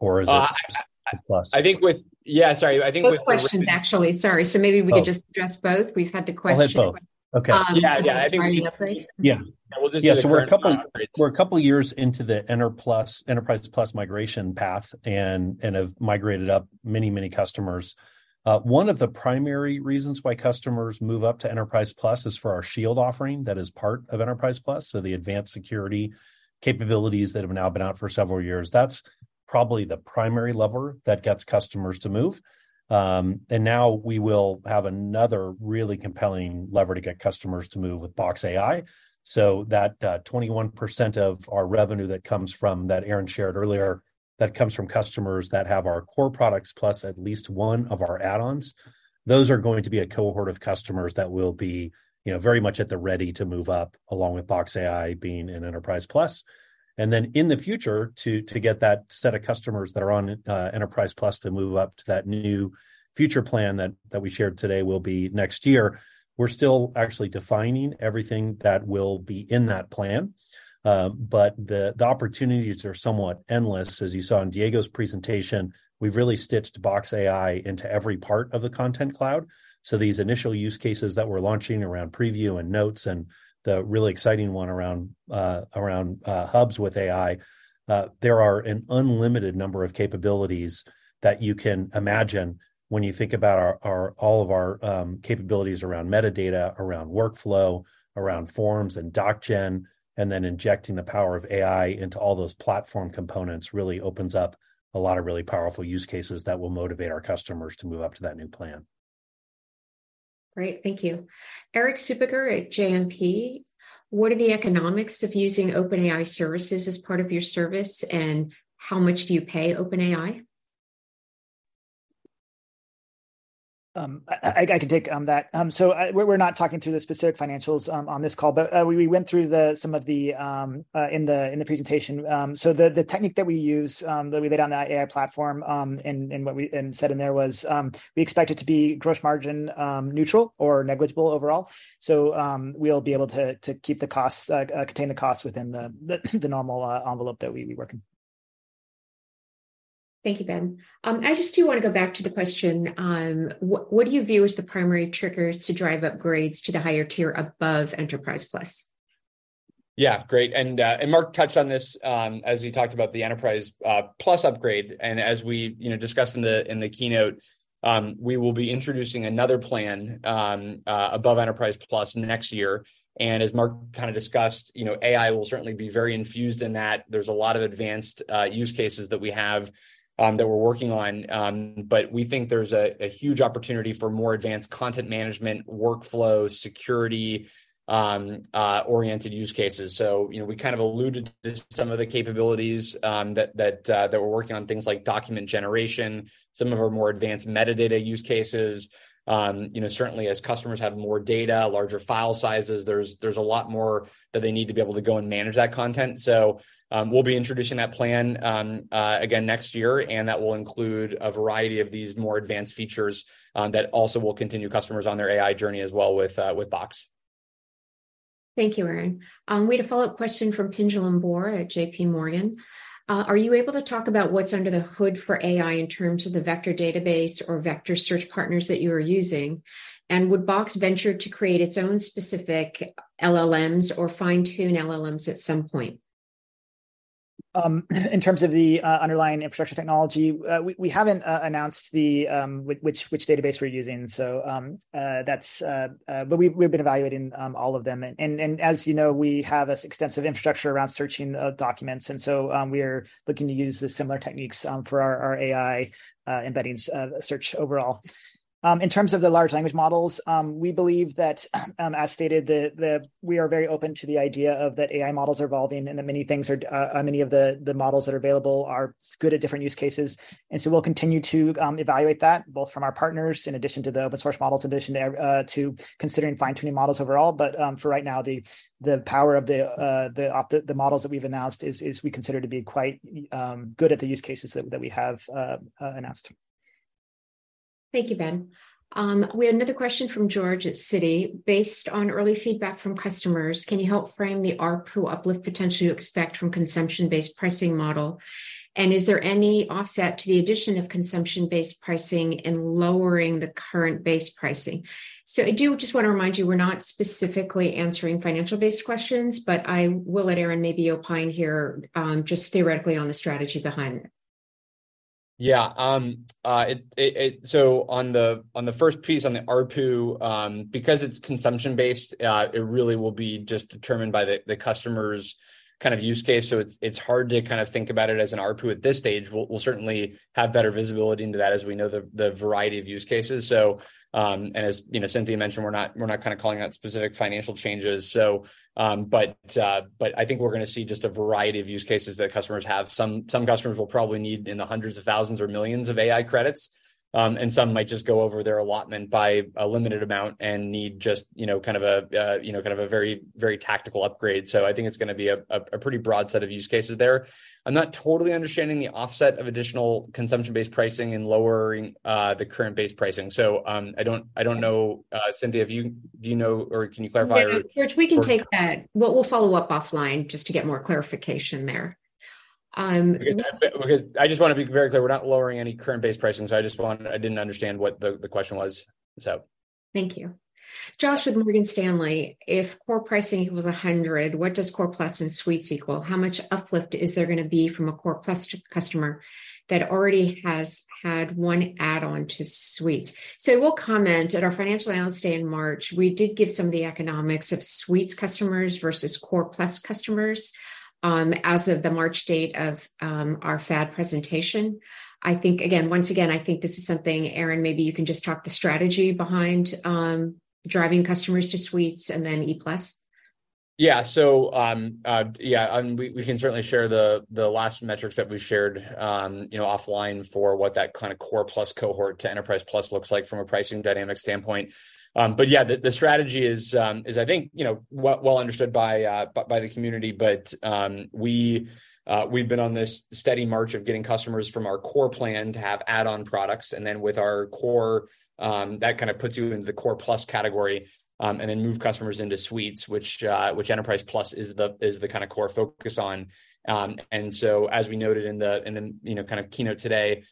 S6: or is it-
S2: Uh,
S6: Enterprise Plus?
S2: I think with... Yeah, sorry, I think with—
S1: Both questions, actually. Sorry.
S6: Oh.
S1: Maybe we could just address both. We've had the question-
S6: I'll hit both. Okay.
S2: Yeah, yeah.
S1: Planning upgrades.
S6: Yeah.
S2: We'll just do the current-
S6: Yeah, so we're a couple, we're a couple of years into the Enterprise Plus migration path and, and have migrated up many, many customers. One of the primary reasons why customers move up to Enterprise Plus is for our Shield offering that is part of Enterprise Plus, so the advanced security capabilities that have now been out for several years. That's probably the primary lever that gets customers to move. And now we will have another really compelling lever to get customers to move with Box AI. So that, 21% of our revenue that comes from, that Aaron shared earlier, that comes from customers that have our core products, plus at least one of our add-ons, those are going to be a cohort of customers that will be, you know, very much at the ready to move up, along with Box AI being in Enterprise Plus. And then in the future, to, to get that set of customers that are on, Enterprise Plus to move up to that new future plan that, that we shared today will be next year. We're still actually defining everything that will be in that plan. But the, the opportunities are somewhat endless, as you saw in Diego's presentation, we've really stitched Box AI into every part of the Content Cloud. These initial use cases that we're launching around Preview and Notes, and the really exciting one around Hubs with AI, there are an unlimited number of capabilities that you can imagine when you think about all of our capabilities around metadata, around workflow, around forms, and doc gen. Then injecting the power of AI into all those platform components really opens up a lot of really powerful use cases that will motivate our customers to move up to that new plan.
S1: Great, thank you. Erik Suppiger at JMP: "What are the economics of using OpenAI services as part of your service, and how much do you pay OpenAI?
S5: I can take that. So, we're not talking through the specific financials on this call, but we went through some of the in the presentation. So the technique that we use that we laid on the AI platform and what we said in there was we expect it to be gross margin neutral or negligible overall. So, we'll be able to contain the costs within the normal envelope that we work in.
S1: Thank you, Ben. I just do want to go back to the question: what do you view as the primary triggers to drive upgrades to the higher tier above Enterprise Plus?
S2: Yeah, great, and, and Mark touched on this, as he talked about the Enterprise Plus upgrade. And as we, you know, discussed in the, in the keynote, we will be introducing another plan, above Enterprise Plus next year. And as Mark kind of discussed, you know, AI will certainly be very infused in that. There's a lot of advanced, use cases that we have, that we're working on. But we think there's a huge opportunity for more advanced content management, workflow, security, oriented use cases. So you know, we kind of alluded to some of the capabilities, that we're working on, things like document generation, some of our more advanced metadata use cases. You know, certainly as customers have more data, larger file sizes, there's a lot more that they need to be able to go and manage that content. So, we'll be introducing that plan again next year, and that will include a variety of these more advanced features that also will continue customers on their AI journey as well with Box.
S1: Thank you, Aaron. We had a follow-up question from Pinjalim Bora at JP Morgan. Are you able to talk about what's under the hood for AI in terms of the vector database or vector search partners that you are using? And would Box venture to create its own specific LLMs or fine-tune LLMs at some point?
S5: In terms of the underlying infrastructure technology, we haven't announced which database we're using. That's, but we've been evaluating all of them. As you know, we have this extensive infrastructure around searching documents, and we are looking to use the similar techniques for our AI embeddings search overall. In terms of the large language models, we believe that, as stated, we are very open to the idea of that AI models are evolving and that many things are, many of the models that are available are good at different use cases. And so we'll continue to evaluate that, both from our partners, in addition to the open source models, in addition to considering fine-tuning models overall. But for right now, the power of the models that we've announced is we consider to be quite good at the use cases that we have announced.
S1: Thank you, Ben. We have another question from George at Citi: Based on early feedback from customers, can you help frame the ARPU uplift potential you expect from consumption-based pricing model? And is there any offset to the addition of consumption-based pricing in lowering the current base pricing? So I do just want to remind you, we're not specifically answering financial-based questions, but I will let Aaron maybe opine here, just theoretically on the strategy behind it.
S2: Yeah, so on the first piece, on the ARPU, because it's consumption based, it really will be just determined by the customer's kind of use case. So it's hard to kind of think about it as an ARPU at this stage. We'll certainly have better visibility into that as we know the variety of use cases. So, and as you know, Cynthia mentioned, we're not kind of calling out specific financial changes. So, but I think we're going to see just a variety of use cases that customers have. Some customers will probably need in the hundreds of thousands or millions of AI credits, and some might just go over their allotment by a limited amount and need just, you know, kind of a, you know, kind of a very, very tactical upgrade. I think it's going to be a pretty broad set of use cases there. I'm not totally understanding the offset of additional consumption-based pricing in lowering the current base pricing. I don't know. Cynthia, have you-- do you know, or can you clarify?
S1: George, we can take that. We'll follow up offline just to get more clarification there.
S2: Because I just want to be very clear, we're not lowering any current base pricing, so I just wanted... I didn't understand what the question was, so.
S1: Thank you. Josh with Morgan Stanley: If Core pricing was 100, what does Core Plus and Suites equal? How much uplift is there going to be from a Core Plus customer that already has had one add-on to Suites. So I will comment, at our Financial Analyst Day in March, we did give some of the economics of Suites customers versus Core Plus customers, as of the March date of, our FAD presentation. I think, again, once again, I think this is something, Aaron, maybe you can just talk the strategy behind, driving customers to Suites and then E Plus.
S2: Yeah. So, yeah, and we can certainly share the last metrics that we've shared, you know, offline for what that kind of Core Plus cohort to Enterprise Plus looks like from a pricing dynamic standpoint. But yeah, the strategy is, I think, you know, well understood by the community. But we've been on this steady march of getting customers from our Core plan to have add-on products, and then with our Core, that kind of puts you into the Core Plus category. And then move customers into Suites, which Enterprise Plus is the kind of core focus on. And so as we noted in the you know kind of keynote today,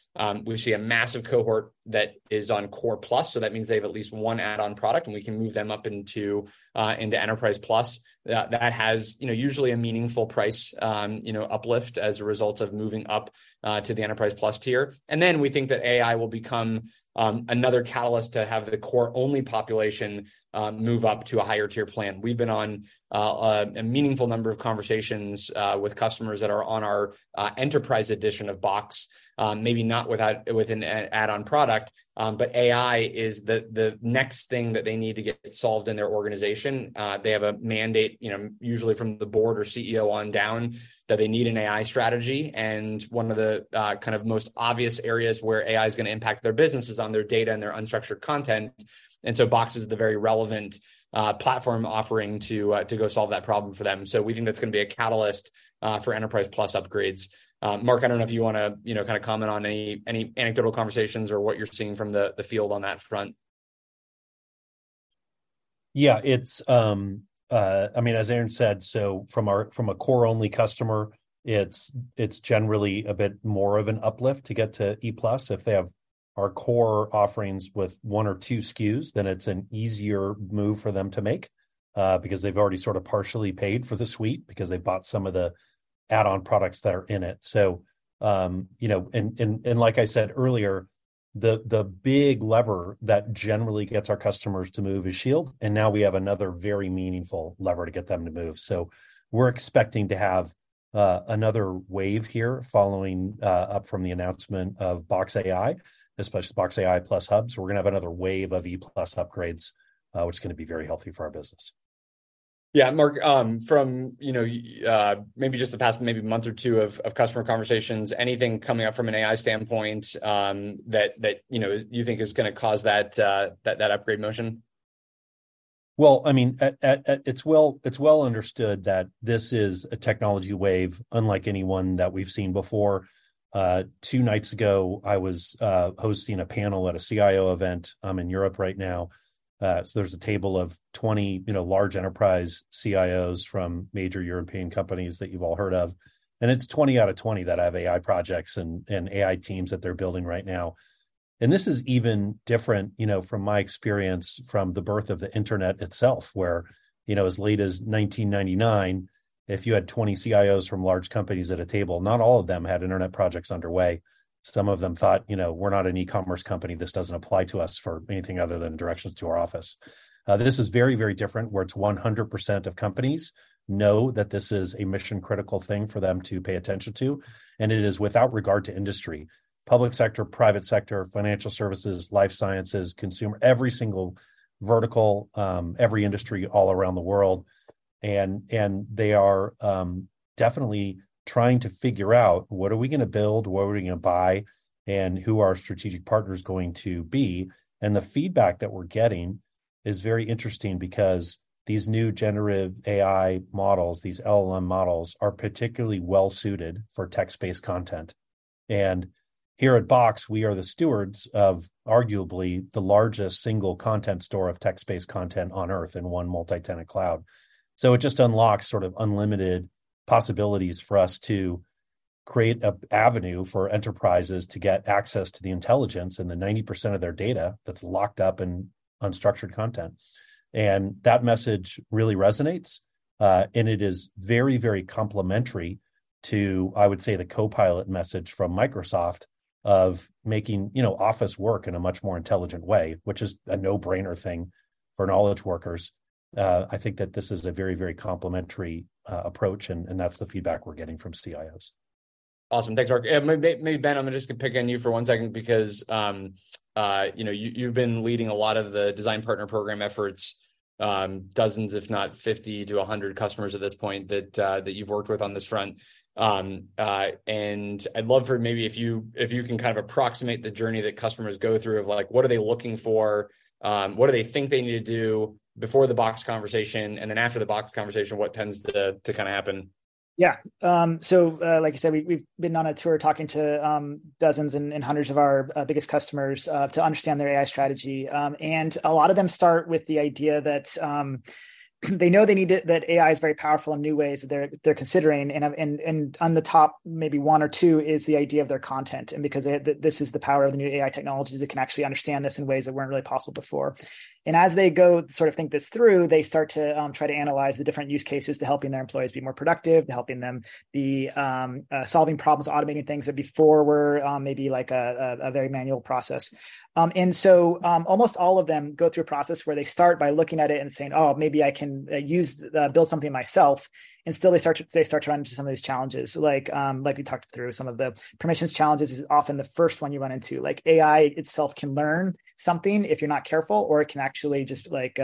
S2: we see a massive cohort that is on Core Plus, so that means they have at least one add-on product, and we can move them up into into Enterprise Plus. That has you know usually a meaningful price you know uplift as a result of moving up to the Enterprise Plus tier. And then we think that AI will become another catalyst to have the Core-only population move up to a higher-tier plan. We've been on a meaningful number of conversations with customers that are on our Enterprise edition of Box, maybe not without... with an add-on product, but AI is the next thing that they need to get solved in their organization. They have a mandate, you know, usually from the board or CEO on down, that they need an AI strategy, and one of the kind of most obvious areas where AI is gonna impact their business is on their data and their unstructured content, and so Box is the very relevant platform offering to go solve that problem for them. So we think that's gonna be a catalyst for Enterprise Plus upgrades. Mark, I don't know if you want to, you know, kind of comment on any anecdotal conversations or what you're seeing from the field on that front.
S6: Yeah, it's, I mean, as Aaron said, so from a Core-only customer, it's generally a bit more of an uplift to get to E Plus. If they have our Core offerings with one or two SKUs, then it's an easier move for them to make, because they've already sort of partially paid for the Suite because they've bought some of the add-on products that are in it. So, you know, and like I said earlier, the big lever that generally gets our customers to move is Shield, and now we have another very meaningful lever to get them to move. So we're expecting to have another wave here following up from the announcement of Box AI, especially Box AI Plus Hub. We're gonna have another wave of E Plus upgrades, which is gonna be very healthy for our business.
S2: Yeah, Mark, from, you know, maybe just the past maybe month or two of customer conversations, anything coming up from an AI standpoint, that you know you think is gonna cause that upgrade motion?
S6: Well, I mean, it's well understood that this is a technology wave unlike any that we've seen before. Two nights ago, I was hosting a panel at a CIO event. I'm in Europe right now, so there's a table of 20, you know, large enterprise CIOs from major European companies that you've all heard of, and it's 20 out of 20 that have AI projects and AI teams that they're building right now. And this is even different, you know, from my experience from the birth of the Internet itself, where, you know, as late as 1999, if you had 20 CIOs from large companies at a table, not all of them had Internet projects underway. Some of them thought, "You know, we're not an e-commerce company. This doesn't apply to us for anything other than directions to our office." This is very, very different, where it's 100% of companies know that this is a mission-critical thing for them to pay attention to, and it is without regard to industry, public sector, private sector, financial services, life sciences, consumer, every single vertical, every industry all around the world. And they are definitely trying to figure out: What are we gonna build? What are we gonna buy, and who are our strategic partners going to be? And the feedback that we're getting is very interesting because these new generative AI models, these LLM models, are particularly well suited for text-based content. And here at Box, we are the stewards of arguably the largest single content store of text-based content on Earth in one multi-tenant cloud. So it just unlocks sort of unlimited possibilities for us to create an avenue for enterprises to get access to the intelligence and the 90% of their data that's locked up in unstructured content. And that message really resonates, and it is very, very complementary to, I would say, the Copilot message from Microsoft of making, you know, office work in a much more intelligent way, which is a no-brainer thing for knowledge workers. I think that this is a very, very complementary approach, and that's the feedback we're getting from CIOs.
S2: Awesome. Thanks, Mark. Maybe, maybe, Ben, I'm just gonna pick on you for one second because, you know, you, you've been leading a lot of the design partner program efforts, dozens, if not 50-100 customers at this point, that, that you've worked with on this front. And I'd love for maybe if you, if you can kind of approximate the journey that customers go through of like, what are they looking for? What do they think they need to do before the Box conversation? And then after the Box conversation, what tends to, to kind of happen?
S5: Yeah. So, like I said, we've been on a tour talking to dozens and hundreds of our biggest customers to understand their AI strategy. And a lot of them start with the idea that they know they need to-- that AI is very powerful in new ways that they're considering. And, and, and on the top, maybe one or two, is the idea of their content. And because this is the power of the new AI technologies, it can actually understand this in ways that weren't really possible before. As they go, sort of, think this through, they start to try to analyze the different use cases to helping their employees be more productive, to helping them be solving problems, automating things that before were maybe like a very manual process. So, almost all of them go through a process where they start by looking at it and saying: "Oh, maybe I can use build something myself." Still, they start to run into some of these challenges. Like we talked through, some of the permissions challenges is often the first one you run into. Like, AI itself can learn something if you're not careful, or it can actually just like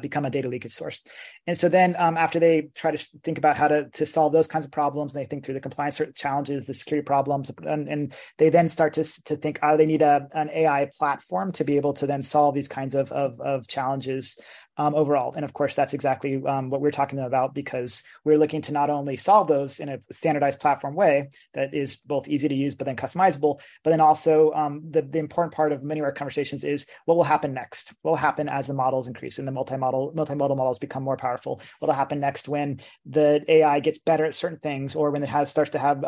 S5: become a data leakage source. And so then, after they try to think about how to solve those kinds of problems, and they think through the compliance challenges, the security problems, and they then start to think, oh, they need an AI platform to be able to then solve these kinds of challenges overall. And of course, that's exactly what we're talking about, because we're looking to not only solve those in a standardized platform way that is both easy to use but then customizable, but then also, the important part of many of our conversations is what will happen next? What will happen as the models increase and the multi-model, multi-modal models become more powerful? What'll happen next when the AI gets better at certain things, or when it starts to have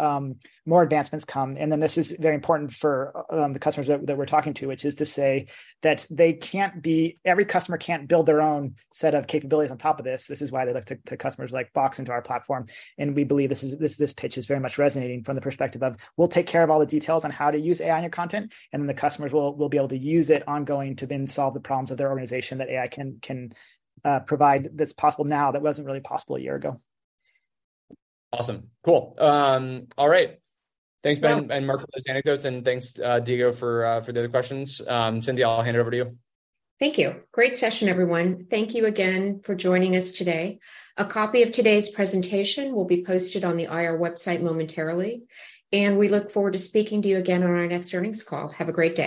S5: more advancements come? And then this is very important for the customers that we're talking to, which is to say that they can't be... Every customer can't build their own set of capabilities on top of this. This is why they like to customers like Box into our platform, and we believe this pitch is very much resonating from the perspective of: We'll take care of all the details on how to use AI in your content, and then the customers will be able to use it ongoing to then solve the problems of their organization that AI can provide. That's possible now, that wasn't really possible a year ago.
S2: Awesome. Cool. All right. Thanks, Ben and Mark, for those anecdotes, and thanks, Diego, for the other questions. Cynthia, I'll hand it over to you.
S1: Thank you. Great session, everyone. Thank you again for joining us today. A copy of today's presentation will be posted on the IR website momentarily, and we look forward to speaking to you again on our next earnings call. Have a great day.